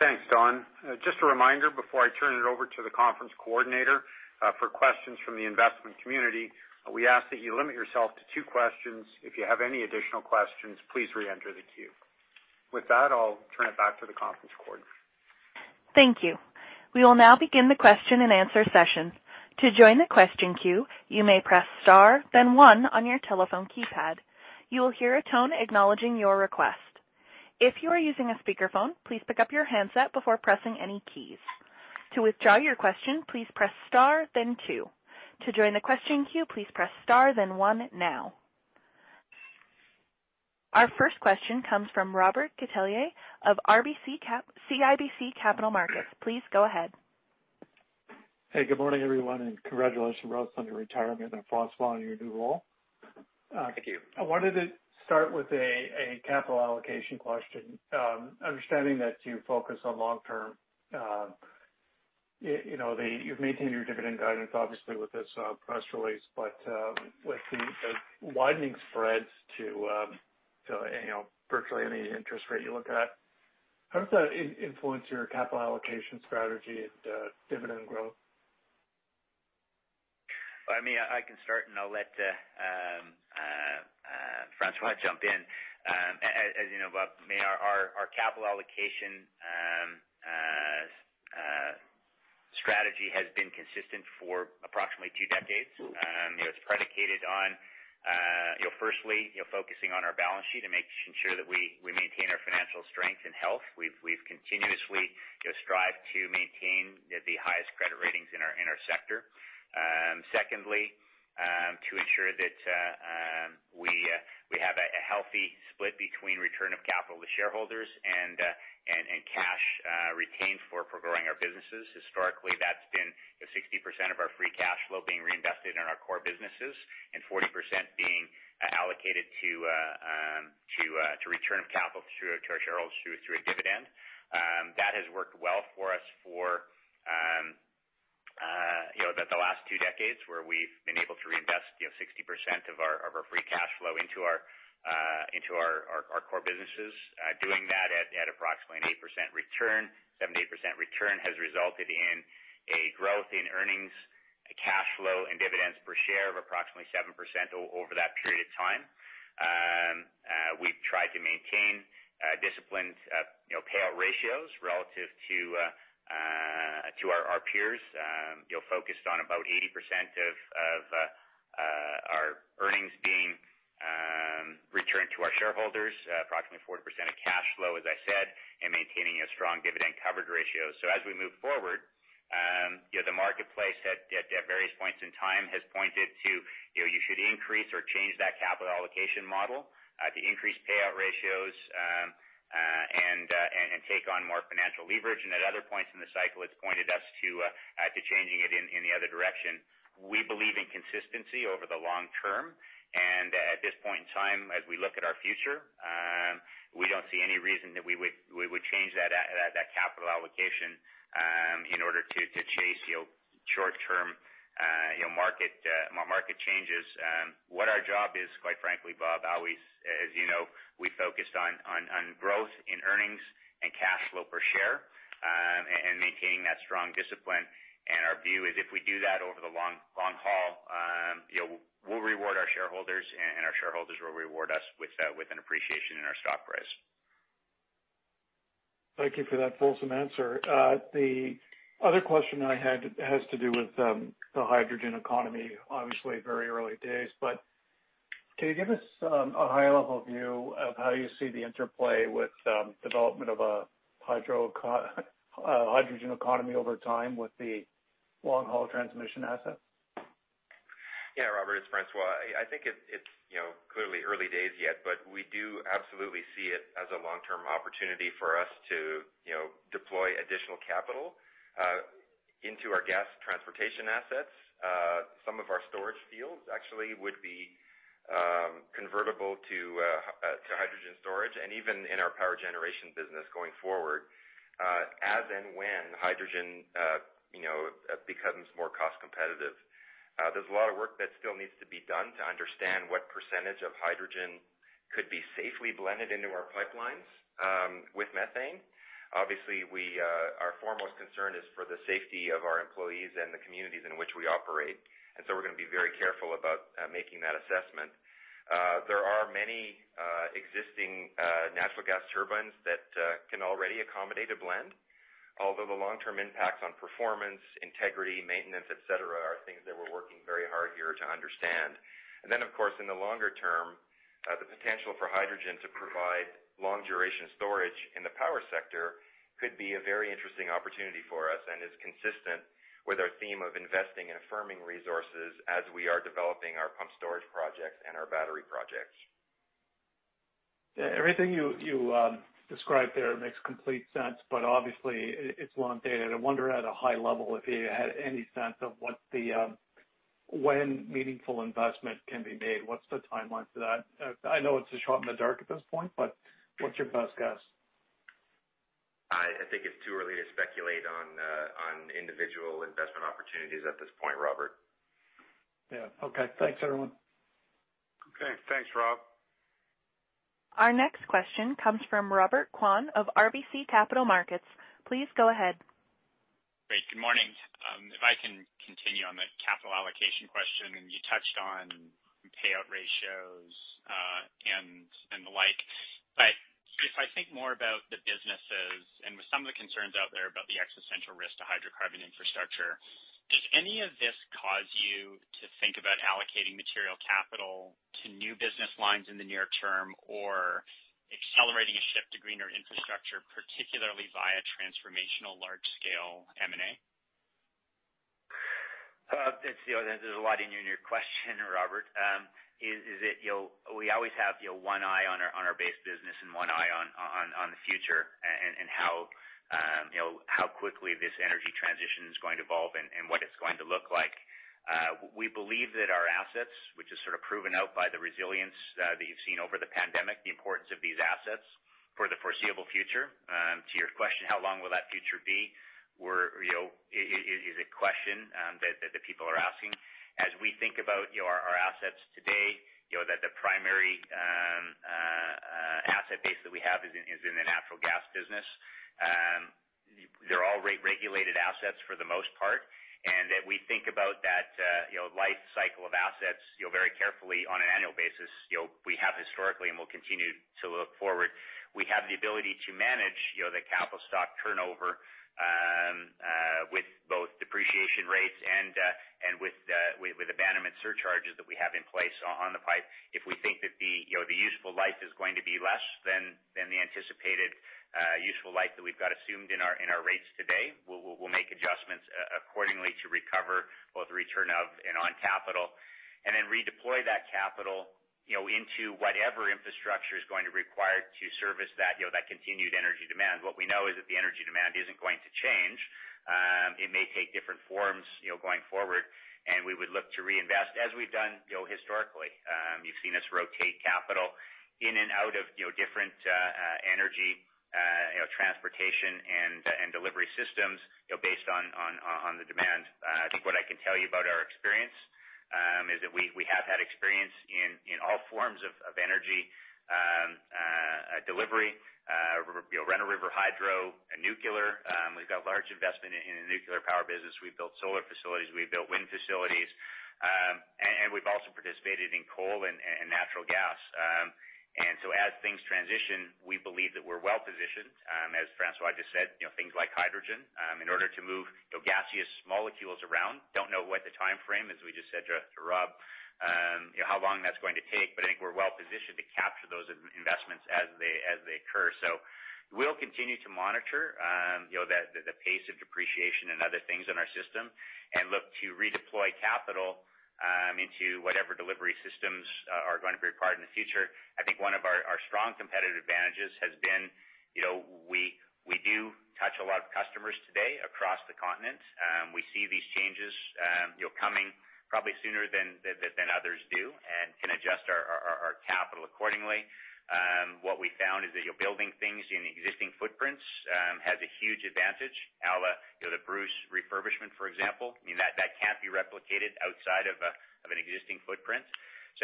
Speaker 2: Thanks, Don. Just a reminder before I turn it over to the conference coordinator for questions from the investment community, we ask that you limit yourself to two questions. If you have any additional questions, please reenter the queue. With that, I'll turn it back to the conference coordinator.
Speaker 1: Thank you. We will now begin the question and answer session. To join the question queue, please press star then one on your telephone keypad. You will hear a tone acknowledging your request. If you are using a speakerphone, please pick up your handset before pressing any keys. To withdraw your question, please press star then two. To join the question queue, please press star then one now. Our first question comes from Robert Catellier of CIBC Capital Markets. Please go ahead.
Speaker 5: Hey, good morning, everyone, and congratulations, Russ, on your retirement and François on your new role.
Speaker 3: Thank you.
Speaker 5: I wanted to start with a capital allocation question. Understanding that you focus on long-term, you've maintained your dividend guidance, obviously, with this press release, but with the widening spreads to virtually any interest rate you look at, how does that influence your capital allocation strategy and dividend growth?
Speaker 3: I can start. I'll let François jump in. As you know, Robert, our capital allocation strategy has been consistent for approximately two decades. It's predicated on firstly, focusing on our balance sheet and making sure that we maintain our financial strength and health. We've continuously strived to maintain the highest credit ratings in our sector. Secondly, to ensure that we have a healthy split between return of capital to shareholders and cash retained for growing our businesses. Historically, that's been 60% of our free cash flow being reinvested in our core businesses and 40% being allocated to return of capital to our shareholders through a dividend. That has worked well for us for the last two decades, where we've been able to reinvest 60% of our free cash flow into our core businesses. Doing that at approximately an 8% return, 7%-8% return, has resulted in a growth in earnings, cash flow, and dividends per share of approximately 7% over that period of time. We've tried to maintain disciplined payout ratios relative to our peers, focused on about 80% of our earnings being returned to our shareholders, approximately 40% of cash flow, as I said, and maintaining a strong dividend coverage ratio. As we move forward, the marketplace at various points in time has pointed to you should increase or change that capital allocation model to increase payout ratios and take on more financial leverage. At other points in the cycle, it's pointed us to changing it in the other direction. We believe in consistency over the long term, and at this point in time, as we look at our future, we don't see any reason that we would change that capital allocation in order to chase short-term market changes. What our job is, quite frankly, Robert, always, as you know, we focused on growth in earnings and cash flow per share, and maintaining that strong discipline. And our view is if we do that over the long haul, we'll reward our shareholders, and our shareholders will reward us with an appreciation in our stock price.
Speaker 5: Thank you for that fulsome answer. The other question I had has to do with the hydrogen economy, obviously very early days, but can you give us a high-level view of how you see the interplay with development of a hydrogen economy over time with the long-haul transmission assets?
Speaker 6: Yeah, Robert, it's François. I think it's clearly early days yet, we do absolutely see it as a long-term opportunity for us to deploy additional capital into our gas transportation assets. Some of our storage fields actually would be convertible to hydrogen storage, even in our power generation business going forward, as and when hydrogen becomes more cost competitive. There's a lot of work that still needs to be done to understand what percentage of hydrogen could be safely blended into our pipelines with methane. Obviously, our foremost concern is for the safety of our employees and the communities in which we operate, we're going to be very careful about making that assessment. There are many existing natural gas turbines that can already accommodate a blend, although the long-term impacts on performance, integrity, maintenance, et cetera, are things that we're working very hard here to understand. Of course, in the longer term, the potential for hydrogen to provide long-duration storage in the power sector could be a very interesting opportunity for us and is consistent with our theme of investing in firming resources as we are developing our pumped storage projects and our battery projects.
Speaker 5: Yeah, everything you described there makes complete sense, but obviously, it's long dated. I wonder at a high level if you had any sense of what When meaningful investment can be made, what's the timeline for that? I know it's a shot in the dark at this point, but what's your best guess?
Speaker 6: I think it's too early to speculate on individual investment opportunities at this point, Robert.
Speaker 5: Yeah. Okay. Thanks, everyone.
Speaker 2: Okay. Thanks, Robert.
Speaker 1: Our next question comes from Robert Kwan of RBC Capital Markets. Please go ahead.
Speaker 7: Great. Good morning. If I can continue on the capital allocation question, and you touched on payout ratios, and the like. If I think more about the businesses and with some of the concerns out there about the existential risk to hydrocarbon infrastructure, does any of this cause you to think about allocating material capital to new business lines in the near term or accelerating a shift to greener infrastructure, particularly via transformational large-scale M&A?
Speaker 3: There's a lot in your question, Robert. We always have one eye on our base business and one eye on the future, and how quickly this energy transition is going to evolve and what it's going to look like. We believe that our assets, which is sort of proven out by the resilience that you've seen over the pandemic, the importance of these assets for the foreseeable future. To your question, how long will that future be is a question that people are asking. As we think about our assets today, that the primary asset base that we have is in the natural gas business. They're all regulated assets for the most part, and that we think about that life cycle of assets very carefully on an annual basis, we have historically and will continue to look forward. We have the ability to manage the capital stock turnover, with both depreciation rates and with abandonment surcharges that we have in place on the pipe. If we think that the useful life is going to be less than the anticipated useful life that we've got assumed in our rates today, we'll make adjustments accordingly to recover both return of and on capital, and then redeploy that capital into whatever infrastructure is going to require to service that continued energy demand. What we know is that the energy demand isn't going to change. It may take different forms going forward, and we would look to reinvest as we've done historically. You've seen us rotate capital in and out of different energy transportation and delivery systems based on the demand. I think what I can tell you about our experience, is that we have had experience in all forms of energy delivery, run-of-river hydro, nuclear. We've got large investment in the nuclear power business. We've built solar facilities, we've built wind facilities, and we've also participated in coal and natural gas. As things transition, we believe that we're well-positioned, as François just said, things like hydrogen, in order to move gaseous molecules around. Don't know what the timeframe, as we just said to Rob, how long that's going to take. I think we're well-positioned to capture those investments as they occur. We'll continue to monitor the pace of depreciation and other things in our system and look to redeploy capital into whatever delivery systems are going to be required in the future. I think one of our strong competitive advantages has been, we do touch a lot of customers today across the continent. We see these changes coming probably sooner than others do and can adjust our capital accordingly. What we found is that building things in existing footprints has a huge advantage, à la the Bruce refurbishment, for example. That can't be replicated outside of an existing footprint.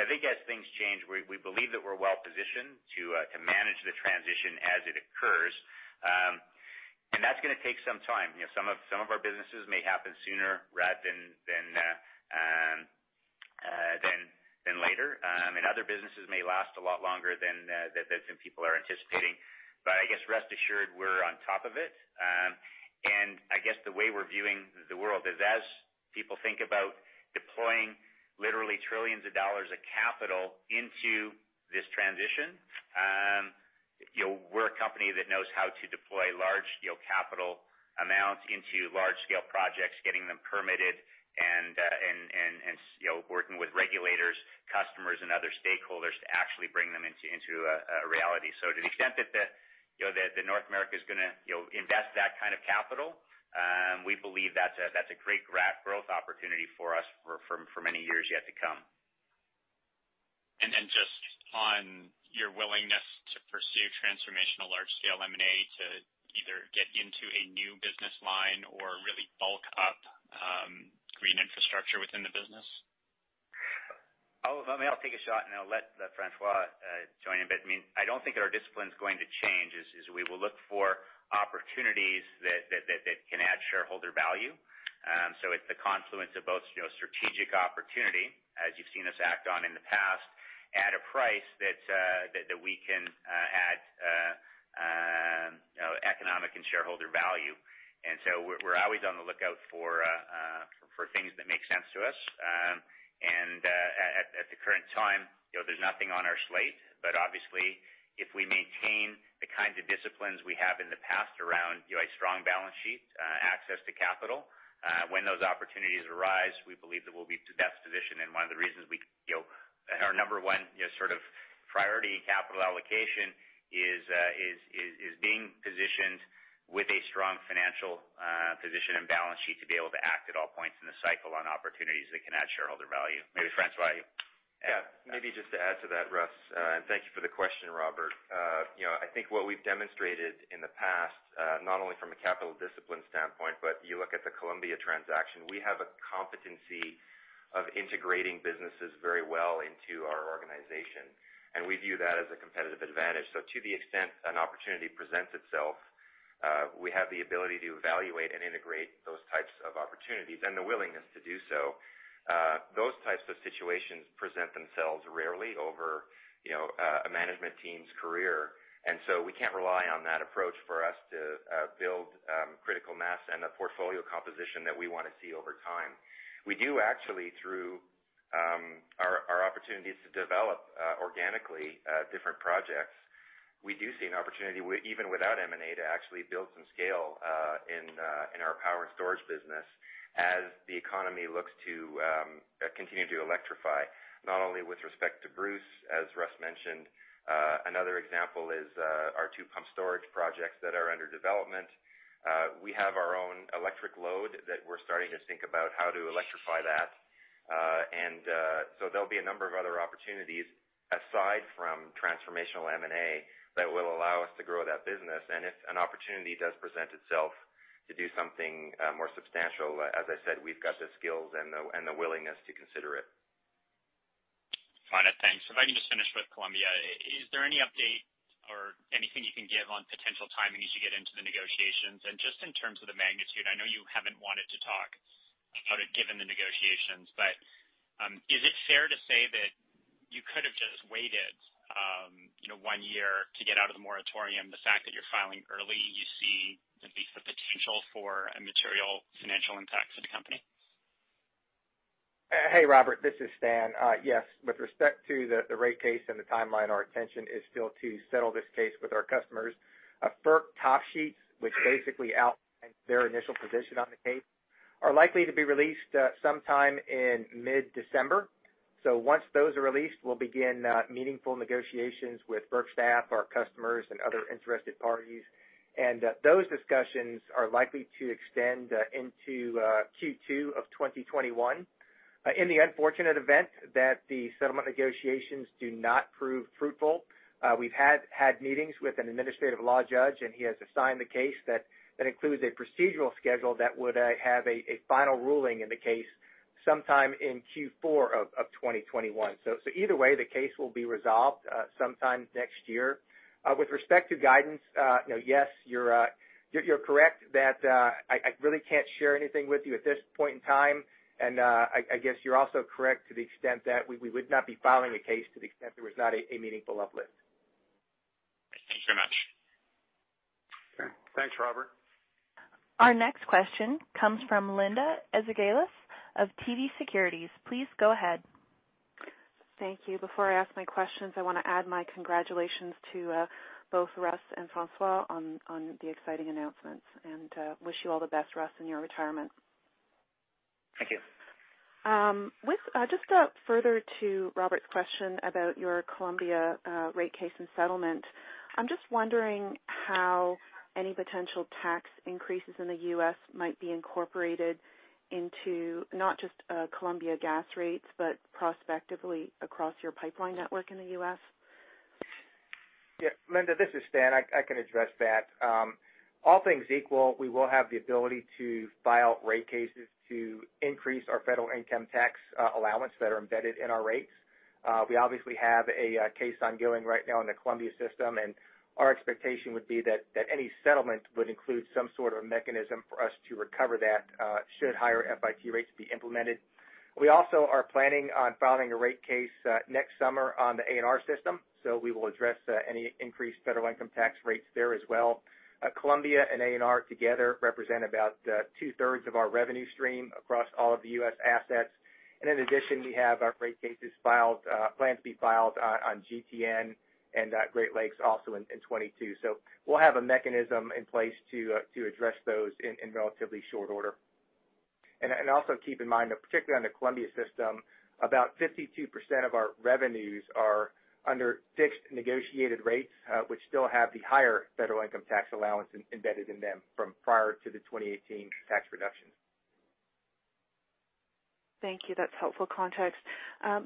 Speaker 3: I think as things change, we believe that we're well-positioned to manage the transition as it occurs. That's going to take some time. Some of our businesses may happen sooner rather than later. Other businesses may last a lot longer than some people are anticipating. I guess rest assured we're on top of it. I guess the way we're viewing the world is as people think about deploying literally trillions of dollars of capital into this transition, we're a company that knows how to deploy large capital amounts into large-scale projects, getting them permitted and working with regulators, customers, and other stakeholders to actually bring them into a reality. To the extent that North America is going to invest that kind of capital, we believe that's a great growth opportunity for us for many years yet to come.
Speaker 7: Then just on your willingness to pursue transformational large-scale M&A to either get into a new business line or really bulk up green infrastructure within the business.
Speaker 3: I'll take a shot and I'll let François join in a bit. I don't think our discipline's going to change, as we will look for opportunities that can add shareholder value. It's the confluence of both strategic opportunity, as you've seen us act on in the past, at a price that we can add economic and shareholder value. We're always on the lookout for things that make sense to us. At the current time, there's nothing on our slate. Obviously, if we maintain the kinds of disciplines we have in the past around a strong balance sheet, access to capital, when those opportunities arise, we believe that we'll be best positioned and one of the reasons number one priority in capital allocation is being positioned with a strong financial position and balance sheet to be able to act at all points in the cycle on opportunities that can add shareholder value. Maybe François.
Speaker 6: Yeah. Maybe just to add to that, Russ, and thank you for the question, Robert. I think what we've demonstrated in the past, not only from a capital discipline standpoint, but you look at the Columbia transaction, we have a competency of integrating businesses very well into our organization, and we view that as a competitive advantage. To the extent an opportunity presents itself, we have the ability to evaluate and integrate those types of opportunities and the willingness to do so. Those types of situations present themselves rarely over a management team's career. We can't rely on that approach for us to build critical mass and the portfolio composition that we want to see over time. We do actually, through our opportunities to develop organically different projects. We do see an opportunity even without M&A to actually build some scale in our power and storage business as the economy looks to continue to electrify, not only with respect to Bruce, as Russ mentioned. Another example is our two pump storage projects that are under development. We have our own electric load that we're starting to think about how to electrify that. There'll be a number of other opportunities aside from transformational M&A that will allow us to grow that business. If an opportunity does present itself to do something more substantial, as I said, we've got the skills and the willingness to consider it.
Speaker 7: Got it. Thanks. If I can just finish with Columbia, is there any update or anything you can give on potential timing as you get into the negotiations? Just in terms of the magnitude, I know you haven't wanted to talk about it given the negotiations, but is it fair to say that you could have just waited one year to get out of the moratorium? The fact that you're filing early, you see at least the potential for a material financial impact to the company?
Speaker 8: Hey, Robert, this is Stan. Yes, with respect to the rate case and the timeline, our attention is still to settle this case with our customers. FERC top sheets, which basically outline their initial position on the case, are likely to be released sometime in mid-December. Once those are released, we'll begin meaningful negotiations with FERC staff, our customers, and other interested parties. Those discussions are likely to extend into Q2 of 2021. In the unfortunate event that the settlement negotiations do not prove fruitful, we've had meetings with an administrative law judge, and he has assigned the case that includes a procedural schedule that would have a final ruling in the case sometime in Q4 of 2021. Either way, the case will be resolved sometime next year. With respect to guidance, yes, you're correct. I really can't share anything with you at this point in time, and I guess you're also correct to the extent that we would not be filing a case to the extent there was not a meaningful uplift.
Speaker 7: Thank you so much.
Speaker 8: Okay.
Speaker 6: Thanks, Robert.
Speaker 1: Our next question comes from Linda Ezergailis of TD Securities. Please go ahead.
Speaker 9: Thank you. Before I ask my questions, I want to add my congratulations to both Russ and François on the exciting announcements, and wish you all the best, Russ, in your retirement.
Speaker 3: Thank you.
Speaker 9: Just further to Robert's question about your Columbia rate case and settlement, I'm just wondering how any potential tax increases in the U.S. might be incorporated into not just Columbia Gas rates, but prospectively across your pipeline network in the U.S.
Speaker 8: Yeah. Linda, this is Stan. I can address that. All things equal, we will have the ability to file rate cases to increase our federal income tax allowance that are embedded in our rates. We obviously have a case ongoing right now in the Columbia system, and our expectation would be that any settlement would include some sort of mechanism for us to recover that should higher FIT rates be implemented. We also are planning on filing a rate case next summer on the ANR system. We will address any increased federal income tax rates there as well. Columbia system and ANR together represent about 2/3 of our revenue stream across all of the U.S. assets. In addition, we have our rate cases plans to be filed on Gas Transmission Northwest and Great Lakes also in 2022. We'll have a mechanism in place to address those in relatively short order. Also keep in mind, particularly on the Columbia Gas system, about 52% of our revenues are under fixed negotiated rates, which still have the higher federal income tax allowance embedded in them from prior to the 2018 tax reductions.
Speaker 9: Thank you. That's helpful context.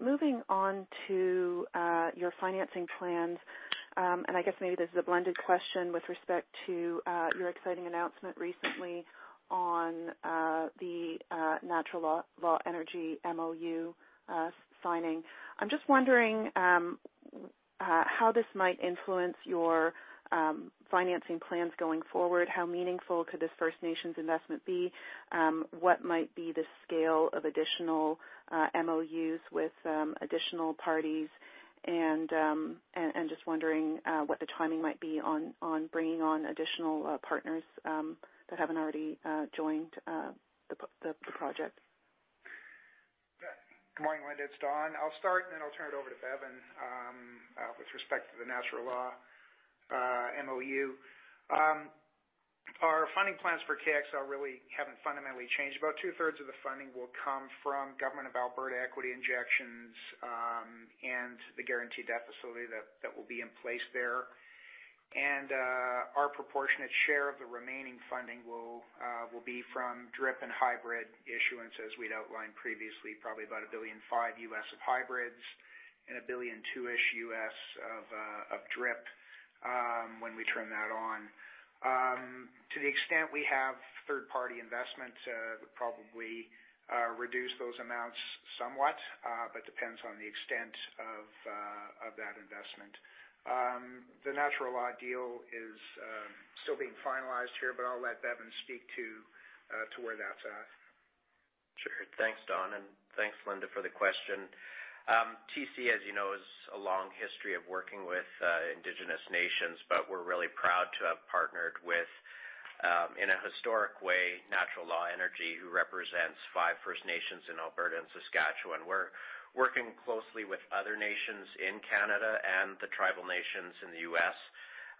Speaker 9: Moving on to your financing plans. I guess maybe this is a blended question with respect to your exciting announcement recently on the Natural Law Energy memorandum of understanding signing. I'm just wondering how this might influence your financing plans going forward. How meaningful could this First Nations investment be? What might be the scale of additional MOUs with additional parties? Just wondering what the timing might be on bringing on additional partners that haven't already joined the project.
Speaker 4: Good morning, Linda. It's Don. I'll start, and then I'll turn it over to Bevin. With respect to the Natural Law MOU. Our funding plans for KXL really haven't fundamentally changed. About 2/3 of the funding will come from Government of Alberta equity injections, and the guaranteed debt facility that will be in place there. Our proportionate share of the remaining funding will be from dividend reinvestment plan and hybrid issuance as we'd outlined previously, probably about $1.5 billion of hybrids and $1.2 billion-ish of DRIP, when we turn that on. To the extent we have third-party investment, would probably reduce those amounts somewhat, but depends on the extent of that investment. The Natural Law deal is still being finalized here, but I'll let Bevin Wirzba speak to where that's at.
Speaker 10: Sure. Thanks, Don, and thanks, Linda, for the question. TC, as you know, has a long history of working with indigenous nations. We're really proud to have partnered with, in a historic way, Natural Law Energy, who represents five First Nations in Alberta and Saskatchewan. We're working closely with other nations in Canada and the tribal nations in the U.S.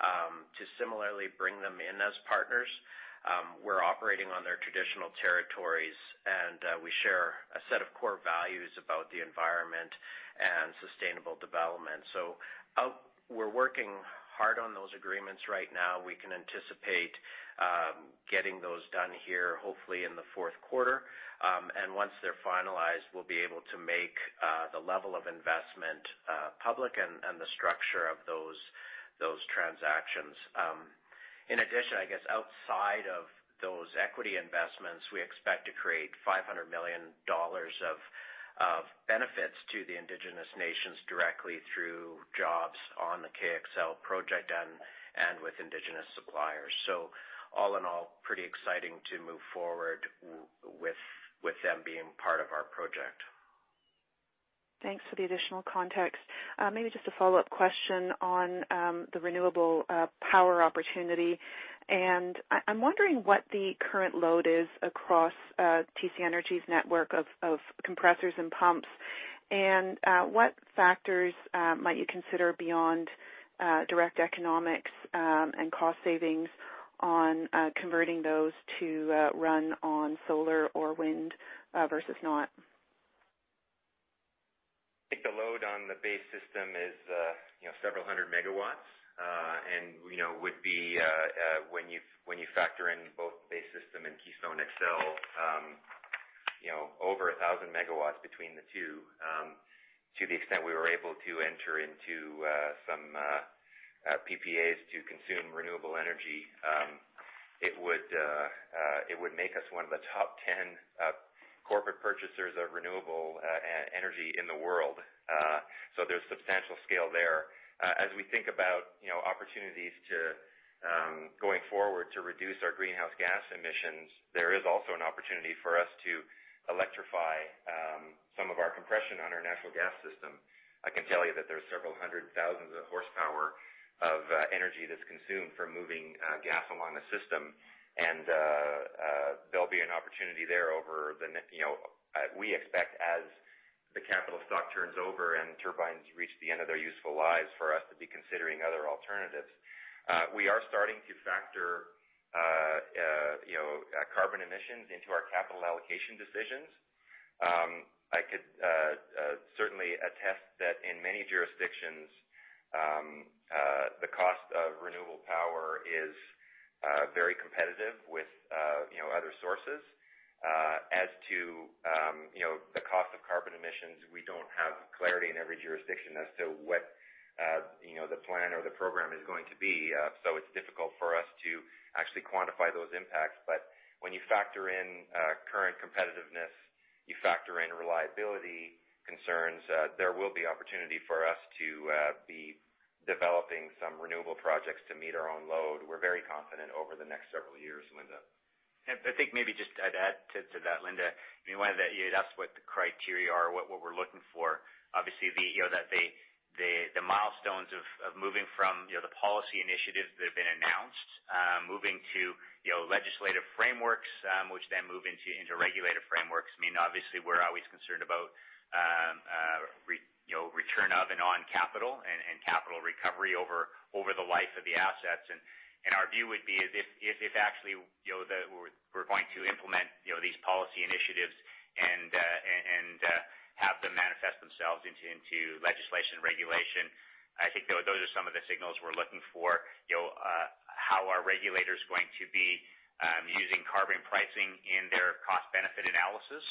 Speaker 10: to similarly bring them in as partners. We're operating on their traditional territories. We share a set of core values about the environment and sustainable development. We're working hard on those agreements right now. We can anticipate getting those done here, hopefully in the fourth quarter. Once they're finalized, we'll be able to make the level of investment public and the structure of those transactions. I guess, outside of those equity investments, we expect to create 500 million dollars of benefits to the Indigenous nations directly through jobs on the KXL project and with Indigenous suppliers. All in all, pretty exciting to move forward with them being part of our project.
Speaker 9: Thanks for the additional context. Maybe just a follow-up question on the renewable power opportunity. I'm wondering what the current load is across TC Energy's network of compressors and pumps, and what factors might you consider beyond direct economics, and cost savings on converting those to run on solar or wind, versus not.
Speaker 6: I think the load on the base system is several hundred megawatts. Would be, when you factor in both base system and Keystone XL, over 1,000 MW between the two. There's substantial scale there. As we think about opportunities going forward to reduce our greenhouse gas emissions, there is also an opportunity for us to electrify some of our compression on our natural gas system. I can tell you that there's several hundred thousands of horsepower of energy that's consumed for moving gas along the system. There'll be an opportunity there. We expect as the capital stock turns over and turbines reach the end of their useful lives for us to be considering other alternatives. We are starting to factor carbon emissions into our capital allocation decisions. I could certainly attest that in many jurisdictions, the cost of renewable power is very competitive with other sources. As to the cost of carbon emissions, we don't have clarity in every jurisdiction as to what the plan or the program is going to be. It's difficult for us to actually quantify those impacts. When you factor in current competitiveness, you factor in reliability concerns, there will be opportunity for us to be developing some renewable projects to meet our own load. We're very confident over the next several years, Linda.
Speaker 3: I think maybe just I'd add to that, Linda, you asked what the criteria are, what we're looking for. Obviously, the milestones of moving from the policy initiatives that have been announced, moving to legislative frameworks, which move into regulated frameworks. Obviously, we're always concerned about return of and on capital and capital recovery over the life of the assets. Our view would be is if actually we're going to implement these policy initiatives and have them manifest themselves into legislation regulation. I think those are some of the signals we're looking for. How are regulators going to be using carbon pricing in their cost-benefit analysis?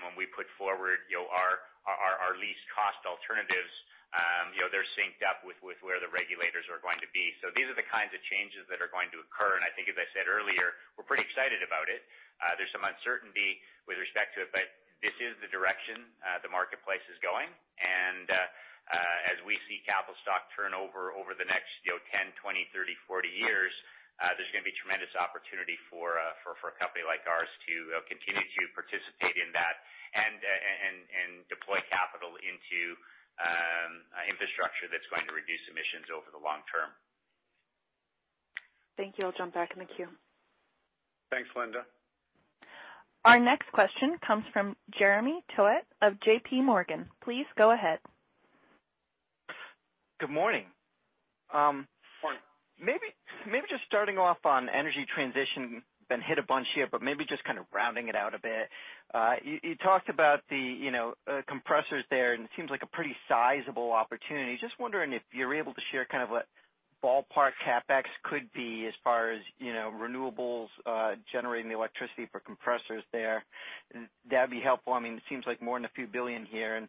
Speaker 3: When we put forward our least-cost alternatives, they're synced up with where the regulators are going to be. These are the kinds of changes that are going to occur, and I think, as I said earlier, we're pretty excited about it. There's some uncertainty with respect to it, but this is the direction the marketplace is going. As we see capital stock turnover over the next 10, 20, 30, 40 years, there's going to be tremendous opportunity for a company like ours to continue to participate in that and deploy capital into infrastructure that's going to reduce emissions over the long term.
Speaker 9: Thank you. I'll jump back in the queue.
Speaker 3: Thanks, Linda.
Speaker 1: Our next question comes from Jeremy Tonet of JPMorgan. Please go ahead.
Speaker 11: Good morning.
Speaker 3: Morning.
Speaker 11: Maybe just starting off on energy transition, been hit a bunch here, but maybe just rounding it out a bit. You talked about the compressors there, and it seems like a pretty sizable opportunity. Just wondering if you're able to share what ballpark CapEx could be as far as renewables, generating the electricity for compressors there. That'd be helpful. It seems like more than a few billion here.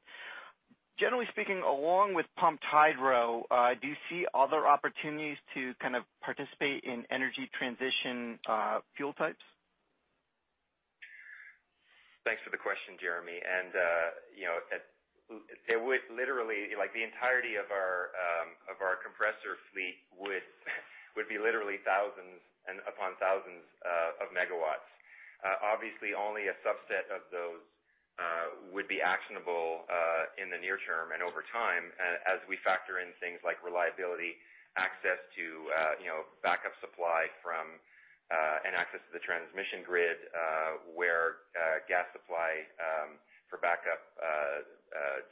Speaker 11: Generally speaking, along with pumped hydro, do you see other opportunities to participate in energy transition fuel types?
Speaker 6: Thanks for the question, Jeremy. The entirety of our compressor fleet would be literally thousands and upon thousands of megawatts. Obviously, only a subset of those would be actionable in the near term and over time, as we factor in things like reliability, access to backup supply and access to the transmission grid, where gas supply for backup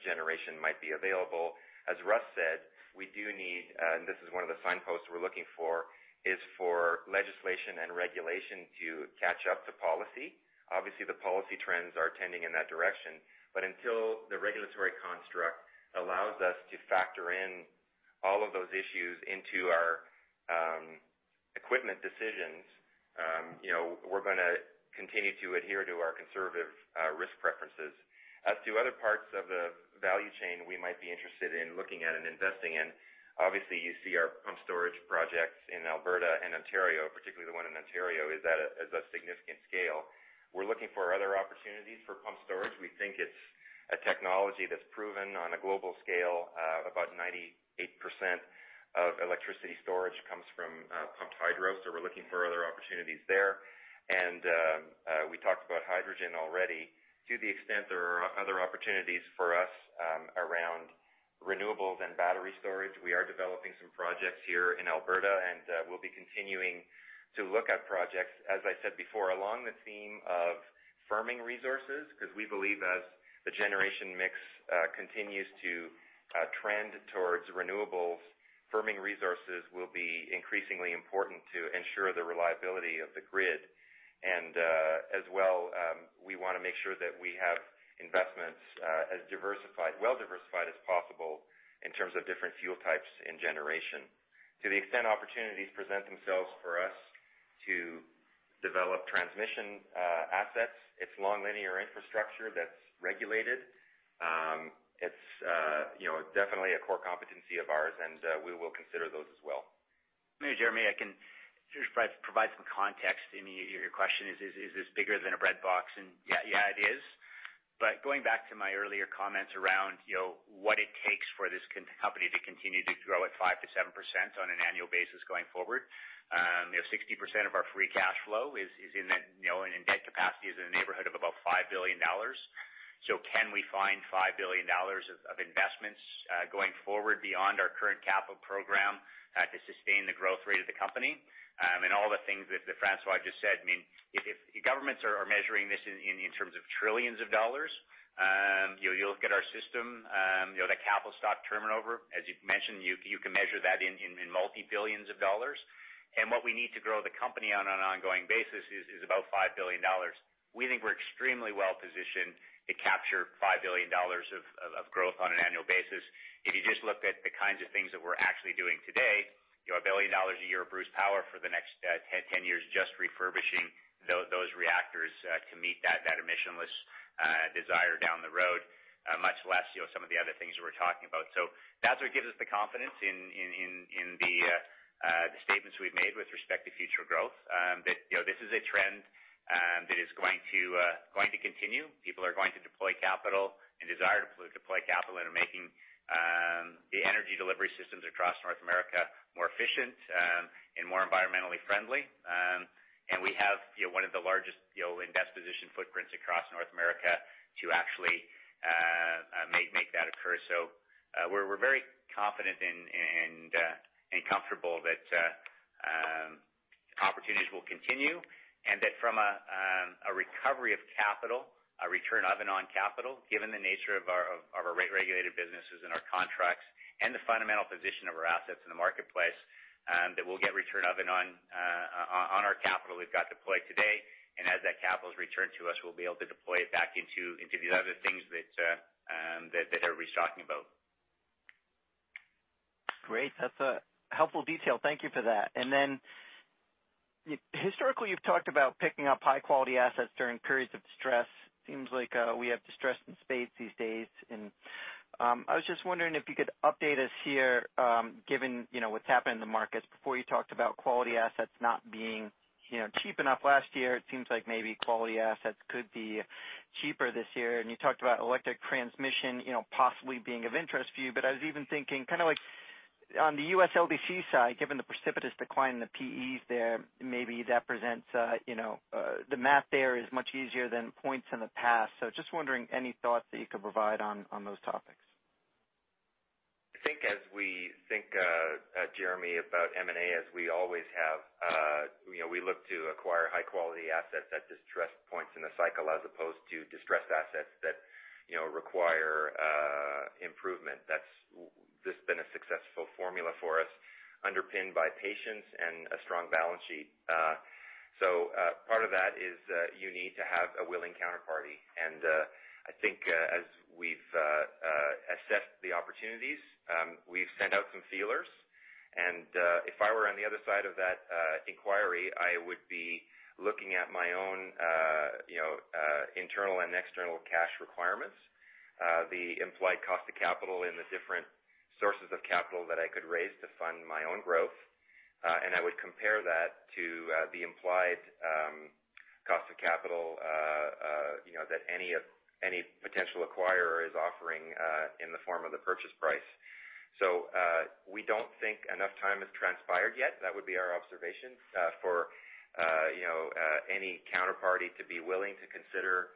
Speaker 6: generation might be available. As Russ said, we do need, and this is one of the signposts we're looking for, is for legislation and regulation to catch up to policy. Obviously, the policy trends are tending in that direction, but until the regulatory construct allows us to factor in all of those issues into our equipment decisions, we're going to continue to adhere to our conservative risk preferences. Other parts of the value chain we might be interested in looking at and investing in, obviously, you see our pumped storage projects in Alberta and Ontario, particularly the one in Ontario is a significant scale. We're looking for other opportunities for pumped storage. We think it's a technology that's proven on a global scale. About 98% of electricity storage comes from pumped hydro, we're looking for other opportunities there. We talked about hydrogen already. To the extent there are other opportunities for us around renewables and battery storage, we are developing some projects here in Alberta, and we'll be continuing to look at projects, as I said before, along the theme of firming resources, we believe as the generation mix continues to trend towards renewables, firming resources will be increasingly important to ensure the reliability of the grid. As well, we want to make sure that we have investments as well-diversified as possible in terms of different fuel types and generation. To the extent opportunities present themselves for us to develop transmission assets, it's long linear infrastructure that's regulated. It's definitely a core competency of ours, and we will consider those as well.
Speaker 3: Jeremy, I can just provide some context. Your question is this bigger than a bread box? Yeah, it is. Going back to my earlier comments around what it takes for this company to continue to grow at 5%-7% on an annual basis going forward. 60% of our free cash flow is in debt capacity, is in the neighborhood of about 5 billion dollars. Can we find 5 billion dollars of investments going forward beyond our current capital program to sustain the growth rate of the company? All the things that François just said, if governments are measuring this in terms of trillions of CAD, you look at our system, the capital stock turnover, as you've mentioned, you can measure that in multi-billions of CAD. What we need to grow the company on an ongoing basis is about 5 billion dollars. We think we're extremely well-positioned to capture 5 billion dollars of growth on an annual basis. If you just look at the kinds of things that we're actually doing today, 1 billion dollars a year of Bruce Power for the next 10 years, just refurbishing those reactors to meet that emissionless desire down the road, much less some of the other things that we're talking about. That's what gives us the confidence in the statements we've made with respect to future growth. That this is a trend that is going to continue. People are going to deploy capital and desire to deploy capital into making the energy delivery systems across North America more efficient and more environmentally friendly. We have one of the largest invest footprints across North America to actually make that occur. We're very confident and comfortable that opportunities will continue and that from a recovery of capital, a return of and on capital, given the nature of our rate-regulated businesses and our contracts and the fundamental position of our assets in the marketplace, that we'll get return of and on our capital we've got deployed today. As that capital is returned to us, we'll be able to deploy it back into these other things that everybody's talking about.
Speaker 11: Great. That's a helpful detail. Thank you for that. Historically, you've talked about picking up high-quality assets during periods of distress. Seems like we have distress in spades these days. I was just wondering if you could update us here, given what's happened in the markets. Before you talked about quality assets not being cheap enough last year. It seems like maybe quality assets could be cheaper this year. You talked about electric transmission possibly being of interest to you. I was even thinking on the U.S. local distribution company side, given the precipitous decline in the price-to-earnings there, maybe the math there is much easier than points in the past. Just wondering, any thoughts that you could provide on those topics?
Speaker 6: I think as we think, Jeremy, about M&A, as we always have, we look to acquire high-quality assets at distressed points in the cycle as opposed to distressed assets that require improvement. That's been a successful formula for us, underpinned by patience and a strong balance sheet. Part of that is you need to have a willing counterparty, and I think as we've assessed the opportunities, we've sent out some feelers. If I were on the other side of that inquiry, I would be looking at my own internal and external cash requirements, the implied cost of capital in the different sources of capital that I could raise to fund my own growth. I would compare that to the implied cost of capital that any potential acquirer is offering in the form of the purchase price. We don't think enough time has transpired yet. That would be our observation for any counterparty to be willing to consider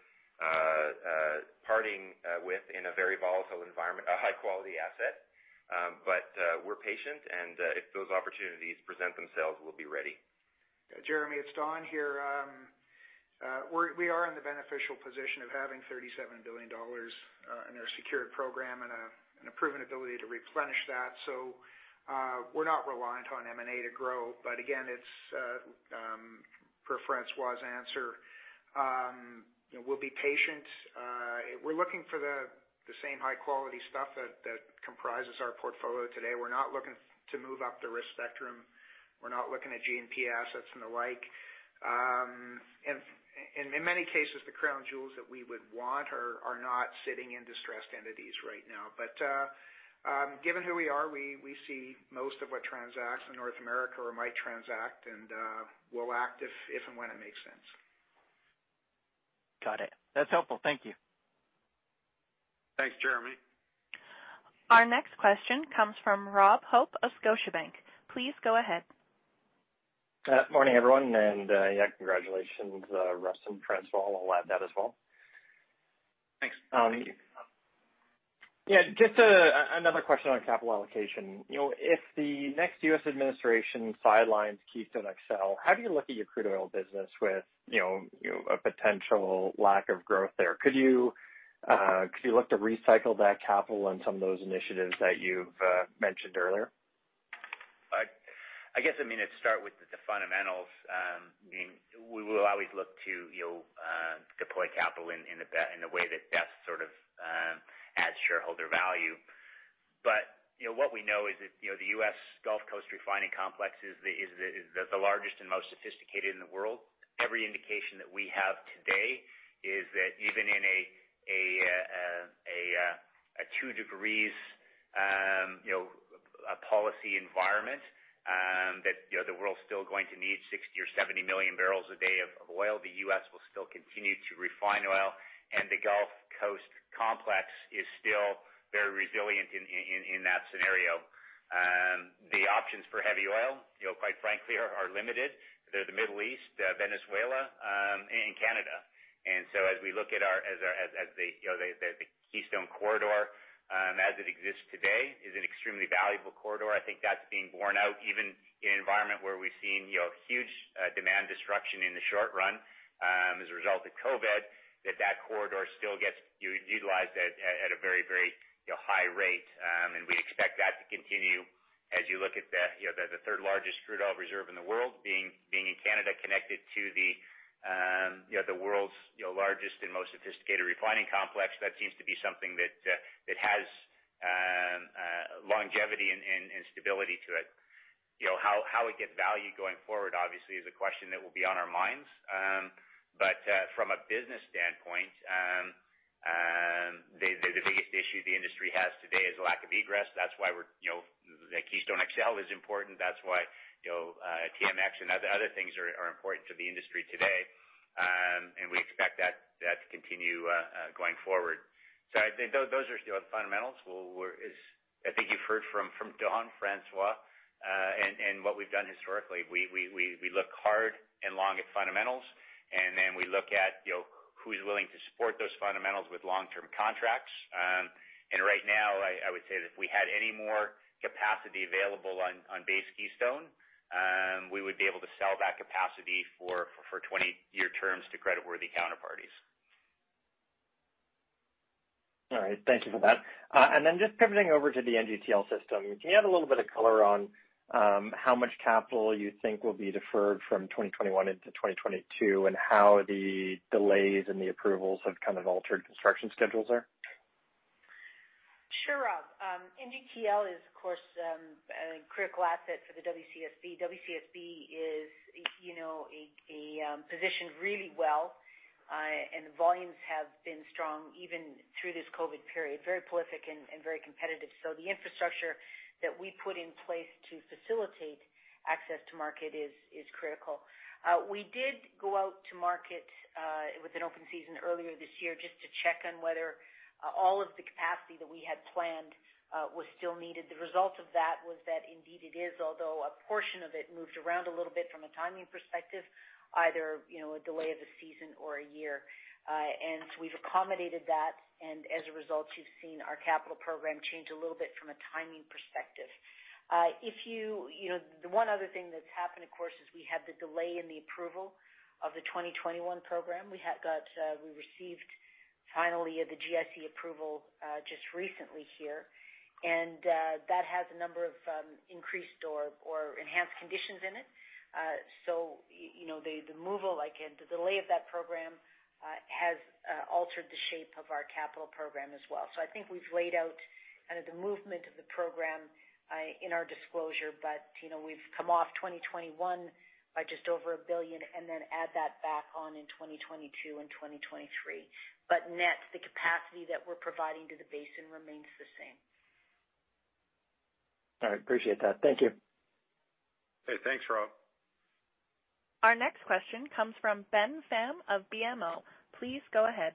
Speaker 6: parting with, in a very volatile environment, a high-quality asset. We're patient and if those opportunities present themselves, we'll be ready.
Speaker 4: Jeremy, it's Don here. We are in the beneficial position of having 37 billion dollars in our secured program and a proven ability to replenish that. We're not reliant on M&A to grow. Again, per François' answer, we'll be patient. We're looking for the same high-quality stuff that comprises our portfolio today. We're not looking to move up the risk spectrum. We're not looking at G&P assets and the like. In many cases, the crown jewels that we would want are not sitting in distressed entities right now. Given who we are, we see most of what transacts in North America or might transact, and we'll act if and when it makes sense.
Speaker 11: Got it. That's helpful. Thank you.
Speaker 4: Thanks, Jeremy.
Speaker 1: Our next question comes from Rob Hope of Scotiabank. Please go ahead.
Speaker 12: Morning, everyone, congratulations, Russ and François. I'll add that as well.
Speaker 6: Thanks.
Speaker 3: Thank you.
Speaker 12: Yeah, just another question on capital allocation. If the next U.S. administration sidelines Keystone XL, how do you look at your crude oil business with a potential lack of growth there? Could you look to recycle that capital on some of those initiatives that you've mentioned earlier?
Speaker 6: I guess, I'm gonna start with the fundamentals. We will always look to deploy capital in a way that best adds shareholder value. What we know is that the U.S. Gulf Coast refining complex is the largest and most sophisticated in the world. Every indication that we have today is that even in a two degrees policy environment, that the world's still going to need 60 million or 70 million barrels a day of oil. The U.S. will still continue to refine oil, and the Gulf Coast complex is still very resilient in that scenario. The options for heavy oil, quite frankly, are limited. They're the Middle East, Venezuela, and Canada. As we look at the Keystone corridor as it exists today, is an extremely valuable corridor. I think that's being borne out even in an environment where we've seen huge demand destruction in the short run as a result of COVID, that that corridor still gets utilized at a very high rate. We expect that to continue as you look at the third-largest crude oil reserve in the world, being in Canada, connected to the world's largest and most sophisticated refining complex. That seems to be something that has longevity and stability to it. How we get value going forward, obviously, is a question that will be on our minds. From a business standpoint, the biggest issue the industry has today is a lack of egress. That's why Keystone XL is important. That's why TMX and other things are important to the industry today. We expect that to continue going forward. I think those are the fundamentals.
Speaker 3: I think you've heard from Don, François, and what we've done historically. We look hard and long at fundamentals, and then we look at who's willing to support those fundamentals with long-term contracts. Right now, I would say that if we had any more capacity available on base Keystone, we would be able to sell that capacity for 20-year terms to creditworthy counterparties.
Speaker 12: All right. Thank you for that. Just pivoting over to the NGTL System, can you add a little bit of color on how much capital you think will be deferred from 2021 into 2022 and how the delays in the approvals have kind of altered construction schedules there?
Speaker 13: Sure, Rob. NGTL is, of course, a critical asset for the Western Canadian Sedimentary Basin. WCSB is positioned really well, and the volumes have been strong even through this COVID period. Very prolific and very competitive. The infrastructure that we put in place to facilitate access to market is critical. We did go out to market with an open season earlier this year just to check on whether all of the capacity that we had planned was still needed. The result of that was that indeed it is, although a portion of it moved around a little bit from a timing perspective, either a delay of the season or a year. We've accommodated that, and as a result, you've seen our capital program change a little bit from a timing perspective. The one other thing that's happened, of course, is we had the delay in the approval of the 2021 program. We received, finally, the Governor in Council approval just recently here, and that has a number of increased or enhanced conditions in it. The removal, again, the delay of that program has altered the shape of our capital program as well. I think we've laid out the movement of the program in our disclosure, but we've come off 2021 by just over 1 billion, and then add that back on in 2022 and 2023. Net, the capacity that we're providing to the basin remains the same.
Speaker 12: All right. Appreciate that. Thank you.
Speaker 6: Okay. Thanks, Rob.
Speaker 1: Our next question comes from Ben Pham of BMO. Please go ahead.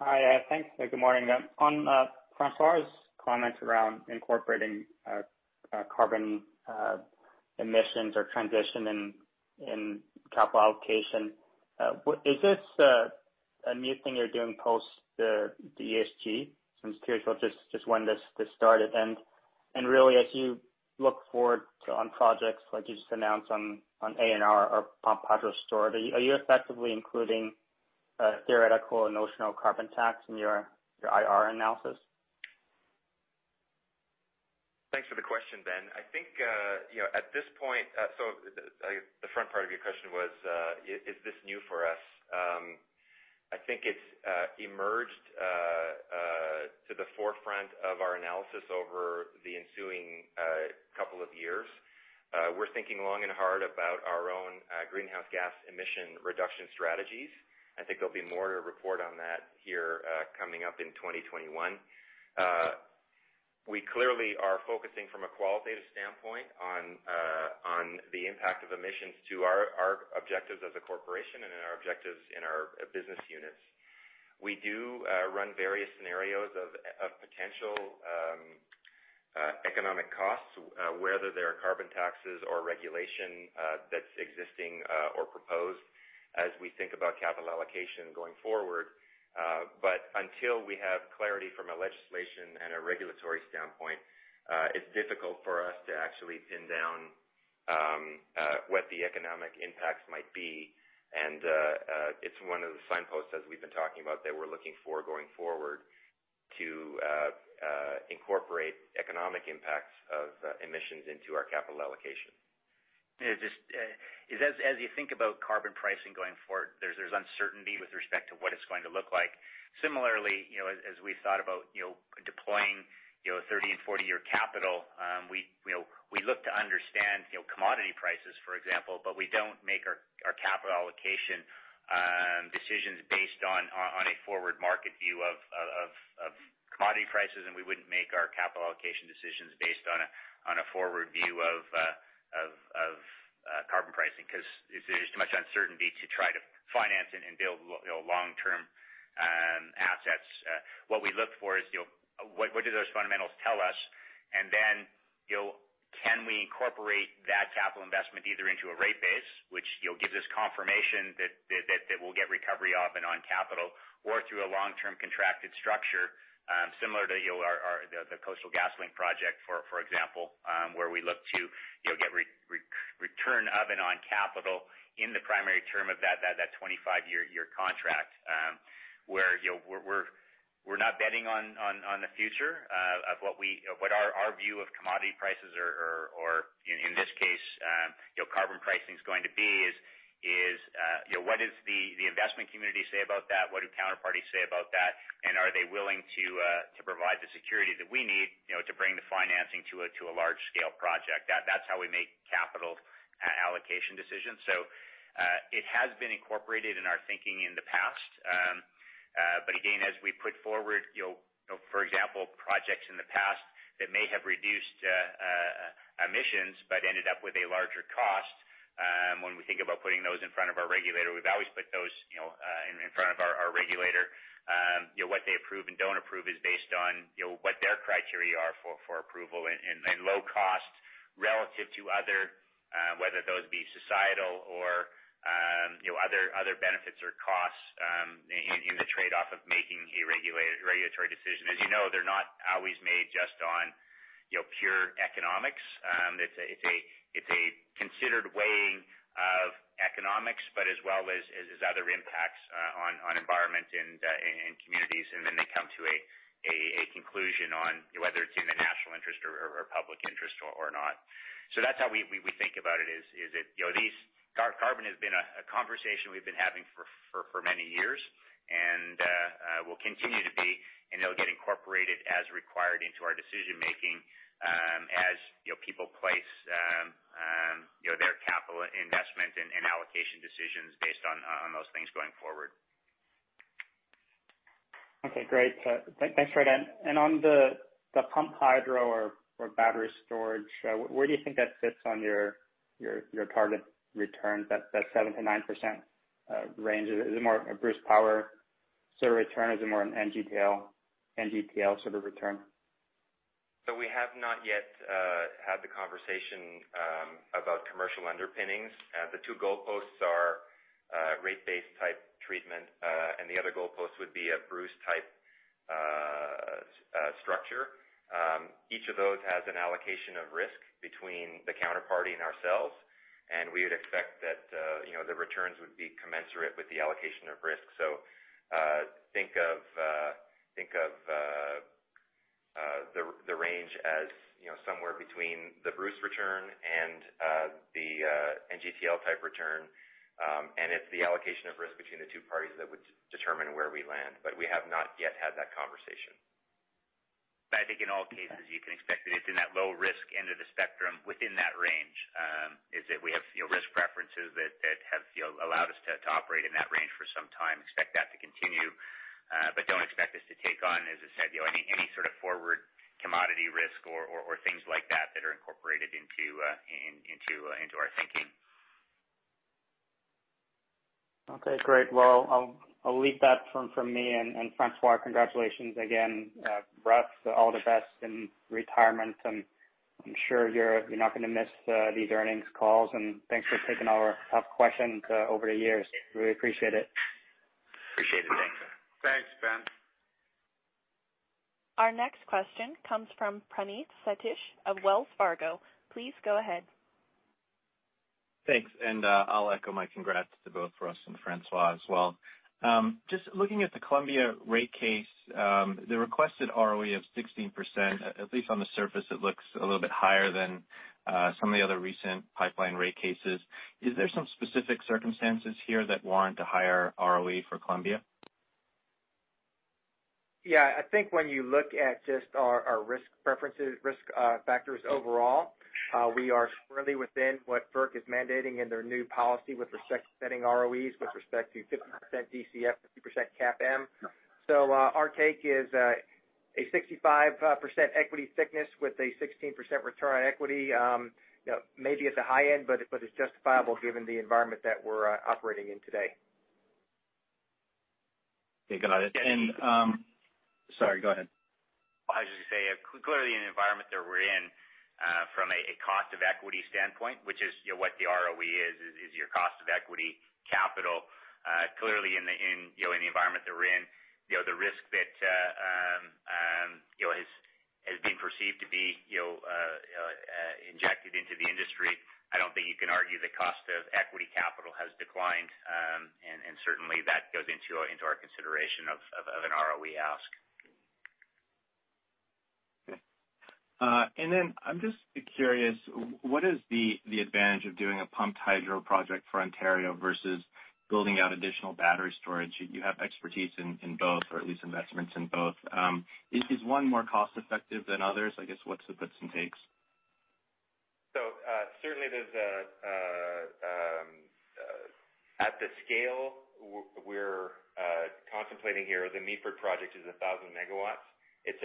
Speaker 14: Hi. Thanks. Good morning. On François' comments around incorporating carbon emissions or transition in capital allocation, is this a new thing you're doing post the ESG? I'm curious just when this started. Really, as you look forward on projects like you just announced on ANR or pumped hydro storage, are you effectively including a theoretical notional carbon tax in your IR analysis?
Speaker 6: Thanks for the question, Ben. The front part of your question was, is this new for us? I think it's emerged to the forefront of our analysis over the ensuing couple of years. We're thinking long and hard about our own greenhouse gas emission reduction strategies. I think there'll be more to report on that here coming up in 2021. We clearly are focusing from a qualitative standpoint on the impact of emissions to our objectives as a corporation and in our objectives in our business units. We do run various scenarios of potential economic costs, whether they are carbon taxes or regulation that's existing or proposed, as we think about capital allocation going forward. Until we have clarity from a legislation and a regulatory standpoint, it's difficult for us to actually pin down what the economic impacts might be, and it's one of the signposts, as we've been talking about, that we're looking for going forward to incorporate economic impacts of emissions into our capital allocation.
Speaker 3: As you think about carbon pricing going forward, there's uncertainty with respect to what it's going to look like. Similarly, as we've thought about deploying 30-year and 40-year capital, we look to understand commodity prices, for example, but we don't make our capital allocation decisions based on a forward market view of commodity prices, and we wouldn't make our capital allocation decisions based on a forward view of carbon pricing, because there's too much uncertainty to try to finance and build long-term assets. What we look for is, what do those fundamentals tell us? Can we incorporate that capital investment either into a rate base, which gives us confirmation that we'll get recovery of and on capital or through a long-term contracted structure similar to the Coastal GasLink project, for example, where we look to get return of and on capital in the primary term of that 25-year contract. Where we're not betting on the future of what our view of commodity prices or, in this case, carbon pricing is going to be is, what does the investment community say about that? What do counterparties say about that? Are they willing to provide the security that we need to bring the financing to a large-scale project? That's how we make capital allocation decisions. It has been incorporated in our thinking in the past. Again, as we put forward, for example, projects in the past that may have reduced emissions but ended up with a larger cost, when we think about putting those in front of our regulator, we've always put those in front of our regulator. What they approve and don't approve is based on what their criteria are for approval and low cost relative to other, whether those be societal or other benefits or costs in the trade-off of making a regulatory decision. As you know, they're not always made just on pure economics. It's a considered weighing of economics, but as well as other impacts on environment and communities, and then they come to a conclusion on whether it's in the national interest or public interest or not. That's how we think about it, is that carbon has been a conversation we've been having for many years, and will continue to be, and it'll get incorporated as required into our decision-making as people place their capital investment and allocation decisions based on those things going forward.
Speaker 14: Okay, great. Thanks for that. On the pumped hydro or battery storage, where do you think that sits on your target returns, that 7%-9% range? Is it more a Bruce Power sort of return? Is it more an NGTL sort of return?
Speaker 6: We have not yet had the conversation about commercial underpinnings. The two goalposts are a rate-based type treatment, and the other goalpost would be a Bruce type structure. Each of those has an allocation of risk between the counterparty and ourselves, and we would expect that the returns would be commensurate with the allocation of risk. Think of the range as somewhere between the Bruce return and the NGTL type return, and it's the allocation of risk between the two parties that would determine where we land. We have not yet had that conversation.
Speaker 3: I think in all cases, you can expect it's in that low risk end of the spectrum within that range, is that we have risk preferences that have allowed us to operate in that range for some time. Expect that to continue. Don't expect us to take on, as I said, any sort of forward commodity risk or things like that that are incorporated into our thinking.
Speaker 14: Okay, great. Well, I'll leave that from me. François, congratulations again. Russ, all the best in retirement, and I'm sure you're not going to miss these earnings calls, and thanks for taking all our tough questions over the years. Really appreciate it.
Speaker 3: Appreciate it. Thanks.
Speaker 2: Thanks, Ben.
Speaker 1: Our next question comes from Praneeth Satish of Wells Fargo. Please go ahead.
Speaker 15: Thanks. I'll echo my congrats to both Russ and François as well. Just looking at the Columbia rate case, the requested ROE of 16%, at least on the surface, it looks a little bit higher than some of the other recent pipeline rate cases. Is there some specific circumstances here that warrant a higher ROE for Columbia?
Speaker 3: Yeah, I think when you look at just our risk factors overall, we are squarely within what FERC is mandating in their new policy with respect to setting ROEs with respect to 50% DCF, 50% CAPM. Our take is a 65% equity thickness with a 16% return on equity. Maybe it's a high end, but it's justifiable given the environment that we're operating in today.
Speaker 15: Thank you. Got it. Sorry, go ahead.
Speaker 6: I was just going to say, clearly in the environment that we're in from a cost of equity standpoint, which is what the ROE is your cost of equity capital. In the environment that we're in, the risk that has been perceived to be injected into the industry, I don't think you can argue the cost of equity capital has declined. Certainly, that goes into our consideration of an ROE ask.
Speaker 15: Okay. I'm just curious, what is the advantage of doing a pumped hydro project for Ontario versus building out additional battery storage? You have expertise in both or at least investments in both. Is one more cost effective than others? I guess what's the gives and takes?
Speaker 6: Certainly at the scale we're contemplating here, the Meaford project is 1,000 MW. It's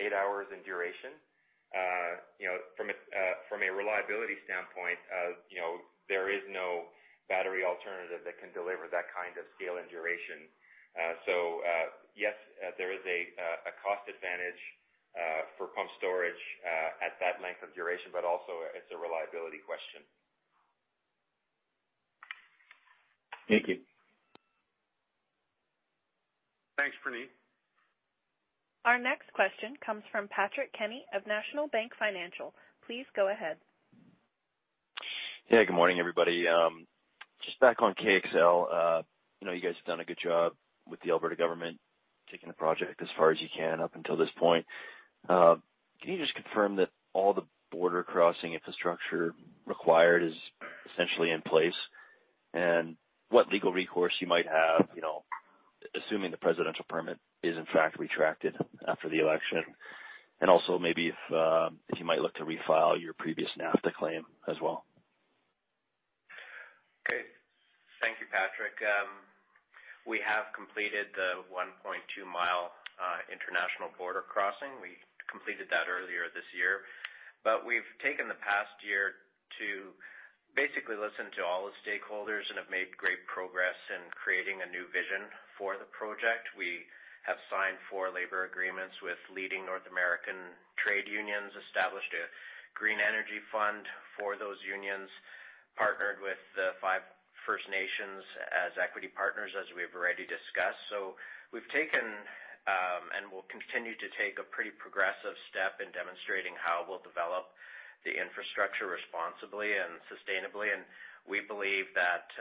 Speaker 6: eight hours in duration. From a reliability standpoint, there is no battery alternative that can deliver that kind of scale and duration. Yes, there is a cost advantage for pump storage at that length of duration, but also it's a reliability question.
Speaker 15: Thank you.
Speaker 2: Thanks, Praneeth.
Speaker 1: Our next question comes from Patrick Kenny of National Bank Financial. Please go ahead.
Speaker 16: Good morning, everybody. Just back on KXL. You guys have done a good job with the Alberta government taking the project as far as you can up until this point. Can you just confirm that all the border crossing infrastructure required is essentially in place, and what legal recourse you might have, assuming the presidential permit is in fact retracted after the election? Also maybe if you might look to refile your previous NAFTA claim as well.
Speaker 6: Okay. Thank you, Patrick. We have completed the 1.2 mi international border crossing. We completed that earlier this year. We've taken the past year to basically listen to all the stakeholders and have made great progress in creating a new vision for the project. We have signed four labor agreements with leading North American trade unions, established a green energy fund for those unions, partnered with the five First Nations as equity partners, as we've already discussed. We've taken, and will continue to take, a pretty progressive step in demonstrating how we'll develop the infrastructure responsibly and sustainably. We believe that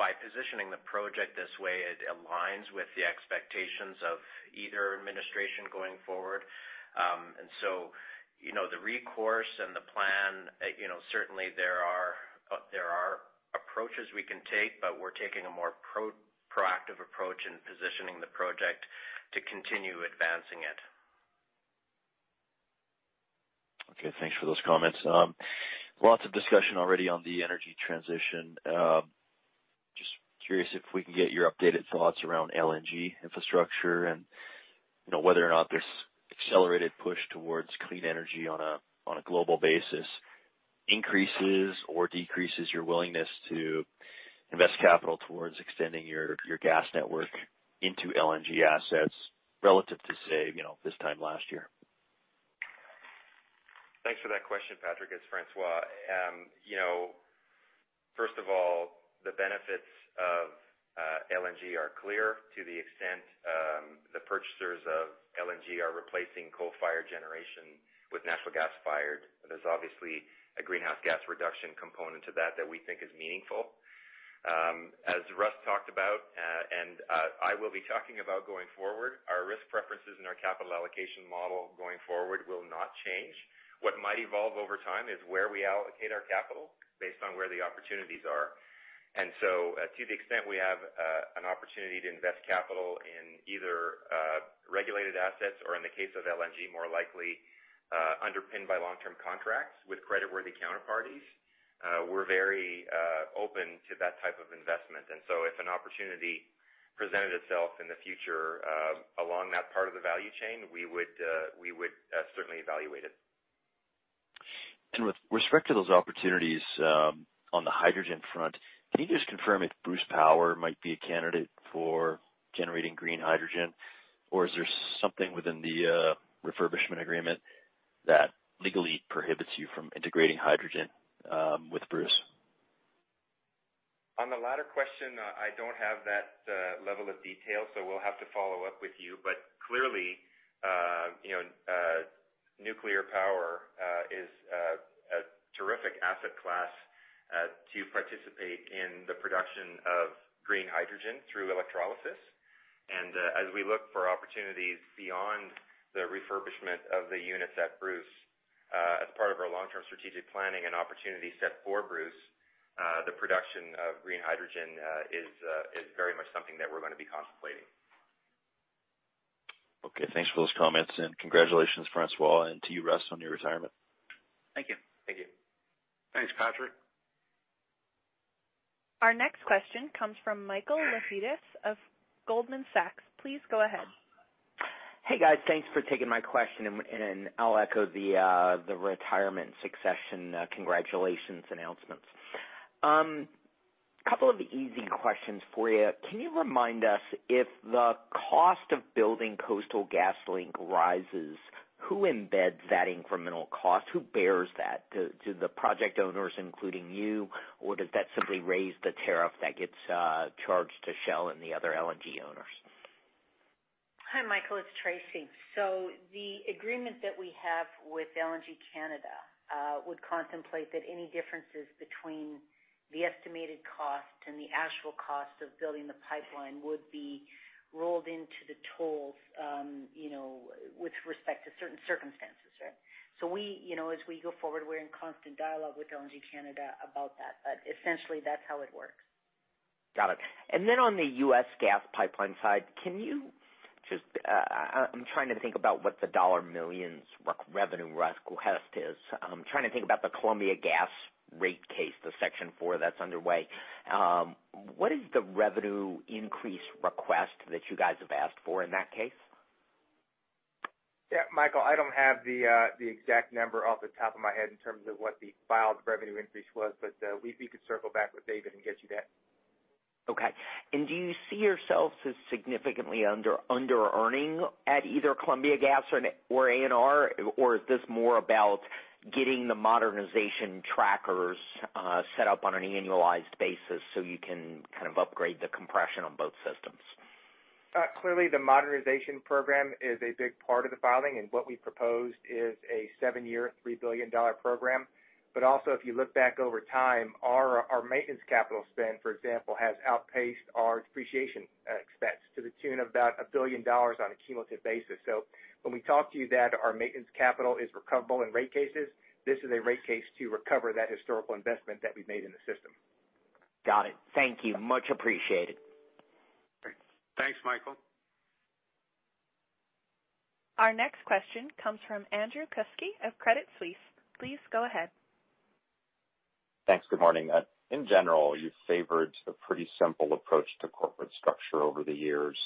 Speaker 6: by positioning the project this way, it aligns with the expectations of either administration going forward. The recourse and the plan, certainly there are approaches we can take, but we're taking a more proactive approach in positioning the project to continue advancing it.
Speaker 16: Okay, thanks for those comments. Lots of discussion already on the energy transition. Just curious if we can get your updated thoughts around LNG infrastructure and whether or not this accelerated push towards clean energy on a global basis increases or decreases your willingness to invest capital towards extending your gas network into LNG assets relative to, say, this time last year?
Speaker 6: Thanks for that question, Patrick. It's François. First of all, the benefits of LNG are clear to the extent the purchasers of LNG are replacing coal-fired generation with natural gas-fired. There's obviously a greenhouse gas reduction component to that that we think is meaningful. As Russ talked about, and I will be talking about going forward, our risk preferences and our capital allocation model going forward will not change. What might evolve over time is where we allocate our capital based on where the opportunities are. To the extent we have an opportunity to invest capital in either regulated assets or, in the case of LNG, more likely underpinned by long-term contracts with creditworthy counterparties, we're very open to that type of investment. If an opportunity presented itself in the future along that part of the value chain, we would certainly evaluate it.
Speaker 16: With respect to those opportunities on the hydrogen front, can you just confirm if Bruce Power might be a candidate for generating green hydrogen? Or is there something within the refurbishment agreement that legally prohibits you from integrating hydrogen with Bruce?
Speaker 6: On the latter question, I don't have that level of detail, so we'll have to follow up with you. Clearly, nuclear power is a terrific asset class to participate in the production of green hydrogen through electrolysis. As we look for opportunities beyond the refurbishment of the units at Bruce as part of our long-term strategic planning and opportunity set for Bruce, the production of green hydrogen is very much something that we're going to be contemplating.
Speaker 16: Okay, thanks for those comments, and congratulations, François, and to you, Russ, on your retirement.
Speaker 6: Thank you.
Speaker 3: Thank you.
Speaker 2: Thanks, Patrick.
Speaker 1: Our next question comes from Michael Lapides of Goldman Sachs. Please go ahead.
Speaker 17: Hey, guys. Thanks for taking my question. I'll echo the retirement succession congratulations announcements. Couple of easy questions for you. Can you remind us if the cost of building Coastal GasLink rises, who embeds that incremental cost? Who bears that? Do the project owners, including you, or does that simply raise the tariff that gets charged to Shell and the other LNG owners?
Speaker 13: Hi, Michael. It's Tracy. The agreement that we have with LNG Canada would contemplate that any differences between the estimated cost and the actual cost of building the pipeline would be rolled into the tolls with respect to certain circumstances. Right? As we go forward, we're in constant dialogue with LNG Canada about that. Essentially, that's how it works.
Speaker 17: Got it. On the U.S. Gas Pipeline side, I'm trying to think about what the dollar millions revenue request is. I'm trying to think about the Columbia Gas rate case, the Section 4 that's underway. What is the revenue increase request that you guys have asked for in that case?
Speaker 8: Yeah, Michael, I don't have the exact number off the top of my head in terms of what the filed revenue increase was, but we could circle back with David and get you that.
Speaker 17: Okay. Do you see yourselves as significantly under-earning at either Columbia Gas or ANR, or is this more about getting the modernization trackers set up on an annualized basis so you can kind of upgrade the compression on both systems?
Speaker 8: Clearly, the modernization program is a big part of the filing, and what we proposed is a seven-year, 3 billion dollar program. Also, if you look back over time, our maintenance capital spend, for example, has outpaced our depreciation expense to the tune of about 1 billion dollars on a cumulative basis. When we talk to you that our maintenance capital is recoverable in rate cases, this is a rate case to recover that historical investment that we've made in the system.
Speaker 17: Got it. Thank you. Much appreciated.
Speaker 2: Great. Thanks, Michael.
Speaker 1: Our next question comes from Andrew Kuske of Credit Suisse. Please go ahead.
Speaker 18: Thanks. Good morning. In general, you favored a pretty simple approach to corporate structure over the years.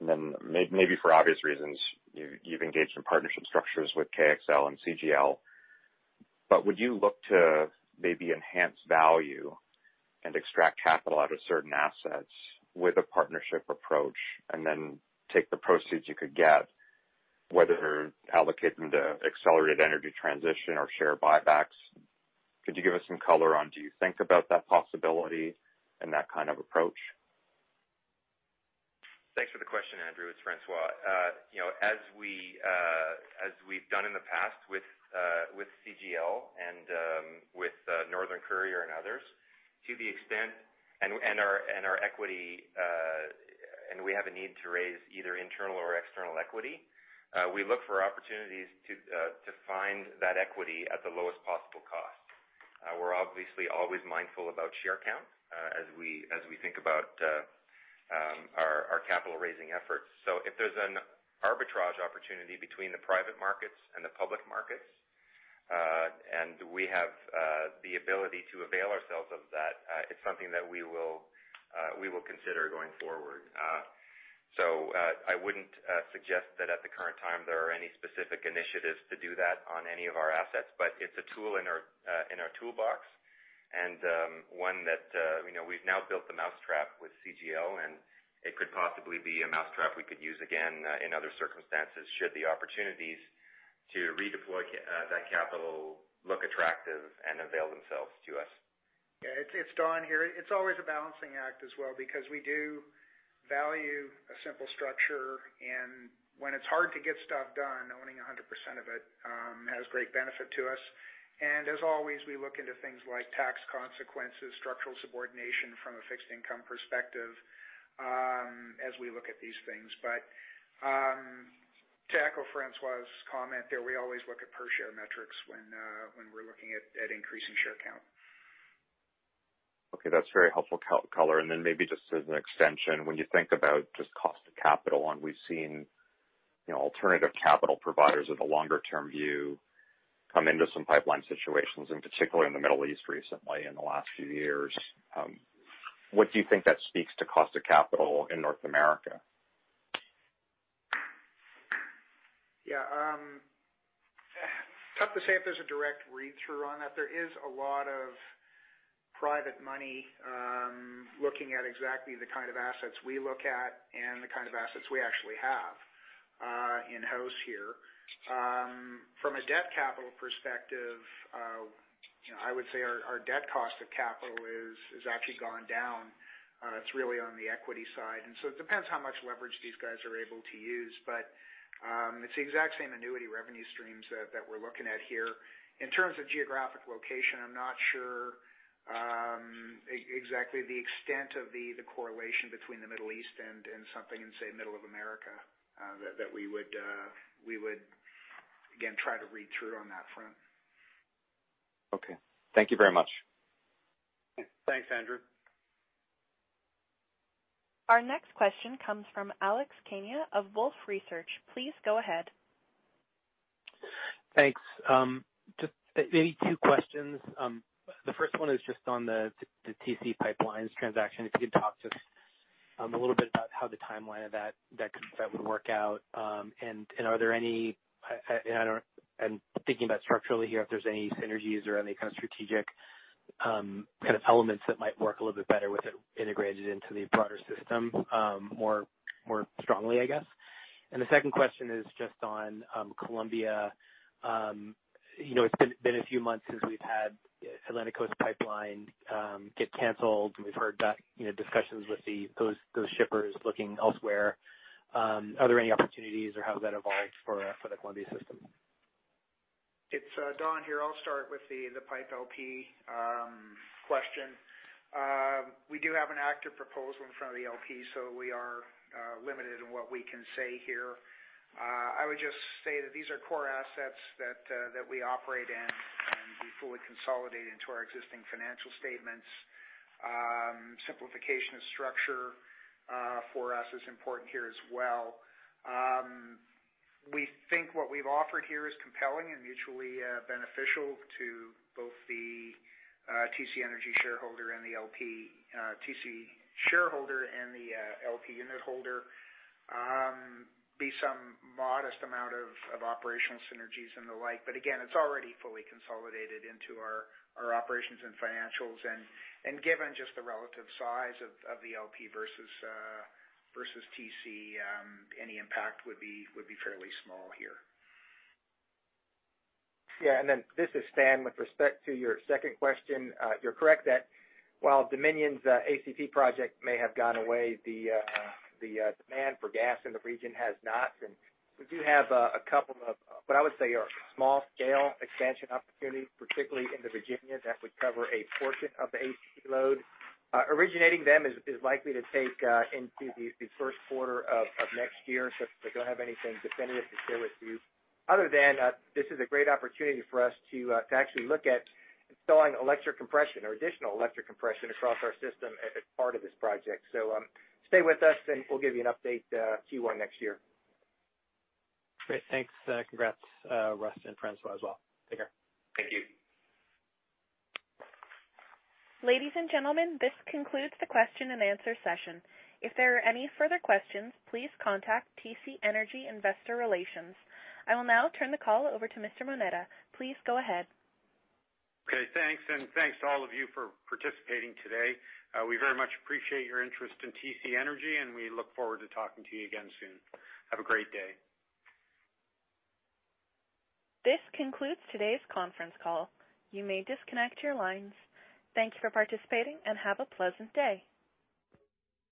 Speaker 18: Maybe for obvious reasons, you've engaged in partnership structures with KXL and CGL. Would you look to maybe enhance value and extract capital out of certain assets with a partnership approach and then take the proceeds you could get, whether allocating to accelerated energy transition or share buybacks? Could you give us some color on do you think about that possibility and that kind of approach?
Speaker 6: Thanks for the question, Andrew. It's François. As we've done in the past with CGL and with Northern Courier and others, and we have a need to raise either internal or external equity, we look for opportunities to find that equity at the lowest possible cost. We're obviously always mindful about share count as we think about our capital-raising efforts. If there's an arbitrage opportunity between the private markets and the public markets, and we have the ability to avail ourselves of that, it's something that we will consider going forward. I wouldn't suggest that at the current time there are any specific initiatives to do that on any of our assets. It's a tool in our toolbox and one that we've now built the mousetrap with CGL, and it could possibly be a mousetrap we could use again in other circumstances, should the opportunities to redeploy that capital look attractive and avail themselves to us.
Speaker 4: Yeah, it's Don here. It's always a balancing act as well because we do value a simple structure and when it's hard to get stuff done, owning 100% of it has great benefit to us. As always, we look into things like tax consequences, structural subordination from a fixed income perspective as we look at these things. To echo François' comment there, we always look at per-share metrics when we're looking at increasing share count.
Speaker 18: Okay. That's very helpful color. Maybe just as an extension, when you think about just cost of capital, we've seen alternative capital providers with a longer-term view come into some pipeline situations, particularly in the Middle East recently, in the last few years. What do you think that speaks to cost of capital in North America?
Speaker 4: Yeah. Tough to say if there's a direct read-through on that. There is a lot of private money looking at exactly the kind of assets we look at and the kind of assets we actually have in-house here. From a debt capital perspective, I would say our debt cost of capital has actually gone down. It's really on the equity side. It depends how much leverage these guys are able to use. It's the exact same annuity revenue streams that we're looking at here. In terms of geographic location, I'm not sure exactly the extent of the correlation between the Middle East and something in, say, Middle America, that we would, again, try to read through on that front.
Speaker 18: Okay. Thank you very much.
Speaker 4: Thanks, Andrew.
Speaker 1: Our next question comes from Alex Kania of Wolfe Research. Please go ahead.
Speaker 19: Thanks. Just maybe two questions. The first one is just on the TC PipeLines transaction. If you could talk just a little bit about how the timeline of that would work out? I'm thinking about structurally here, if there's any synergies or any kind of strategic elements that might work a little bit better with it integrated into the broader system more strongly, I guess? The second question is just on Columbia. It's been a few months since we've had Atlantic Coast Pipeline get canceled. We've heard discussions with those shippers looking elsewhere. Are there any opportunities or how has that evolved for the Columbia system?
Speaker 4: It's Don here. I'll start with the PIPE LP question. We do have an active proposal in front of the LP. We are limited in what we can say here. I would just say that these are core assets that we operate in. We fully consolidate into our existing financial statements. Simplification of structure for us is important here as well. We think what we've offered here is compelling and mutually beneficial to both the TC Energy shareholder and the LP unit holder. There'll be some modest amount of operational synergies and the like. Again, it's already fully consolidated into our operations and financials. Given just the relative size of the LP versus TC, any impact would be fairly small here.
Speaker 8: Yeah. This is Stan. With respect to your second question, you're correct that while Dominion's ACP project may have gone away, the demand for gas in the region has not, and we do have a couple of what I would say are small-scale expansion opportunities, particularly into Virginia, that would cover a portion of the ACP load. Originating them is likely to take into the first quarter of next year, so I don't have anything definitive to share with you other than this is a great opportunity for us to actually look at installing electric compression or additional electric compression across our system as part of this project. Stay with us, and we'll give you an update Q1 next year.
Speaker 19: Great. Thanks. Congrats, Russ and François, as well. Take care.
Speaker 6: Thank you.
Speaker 1: Ladies and gentlemen, this concludes the question and answer session. If there are any further questions, please contact TC Energy Investor Relations. I will now turn the call over to Mr. Moneta. Please go ahead.
Speaker 2: Okay, thanks. Thanks to all of you for participating today. We very much appreciate your interest in TC Energy, and we look forward to talking to you again soon. Have a great day.
Speaker 1: This concludes today's conference call. You may disconnect your lines. Thank you for participating, and have a pleasant day.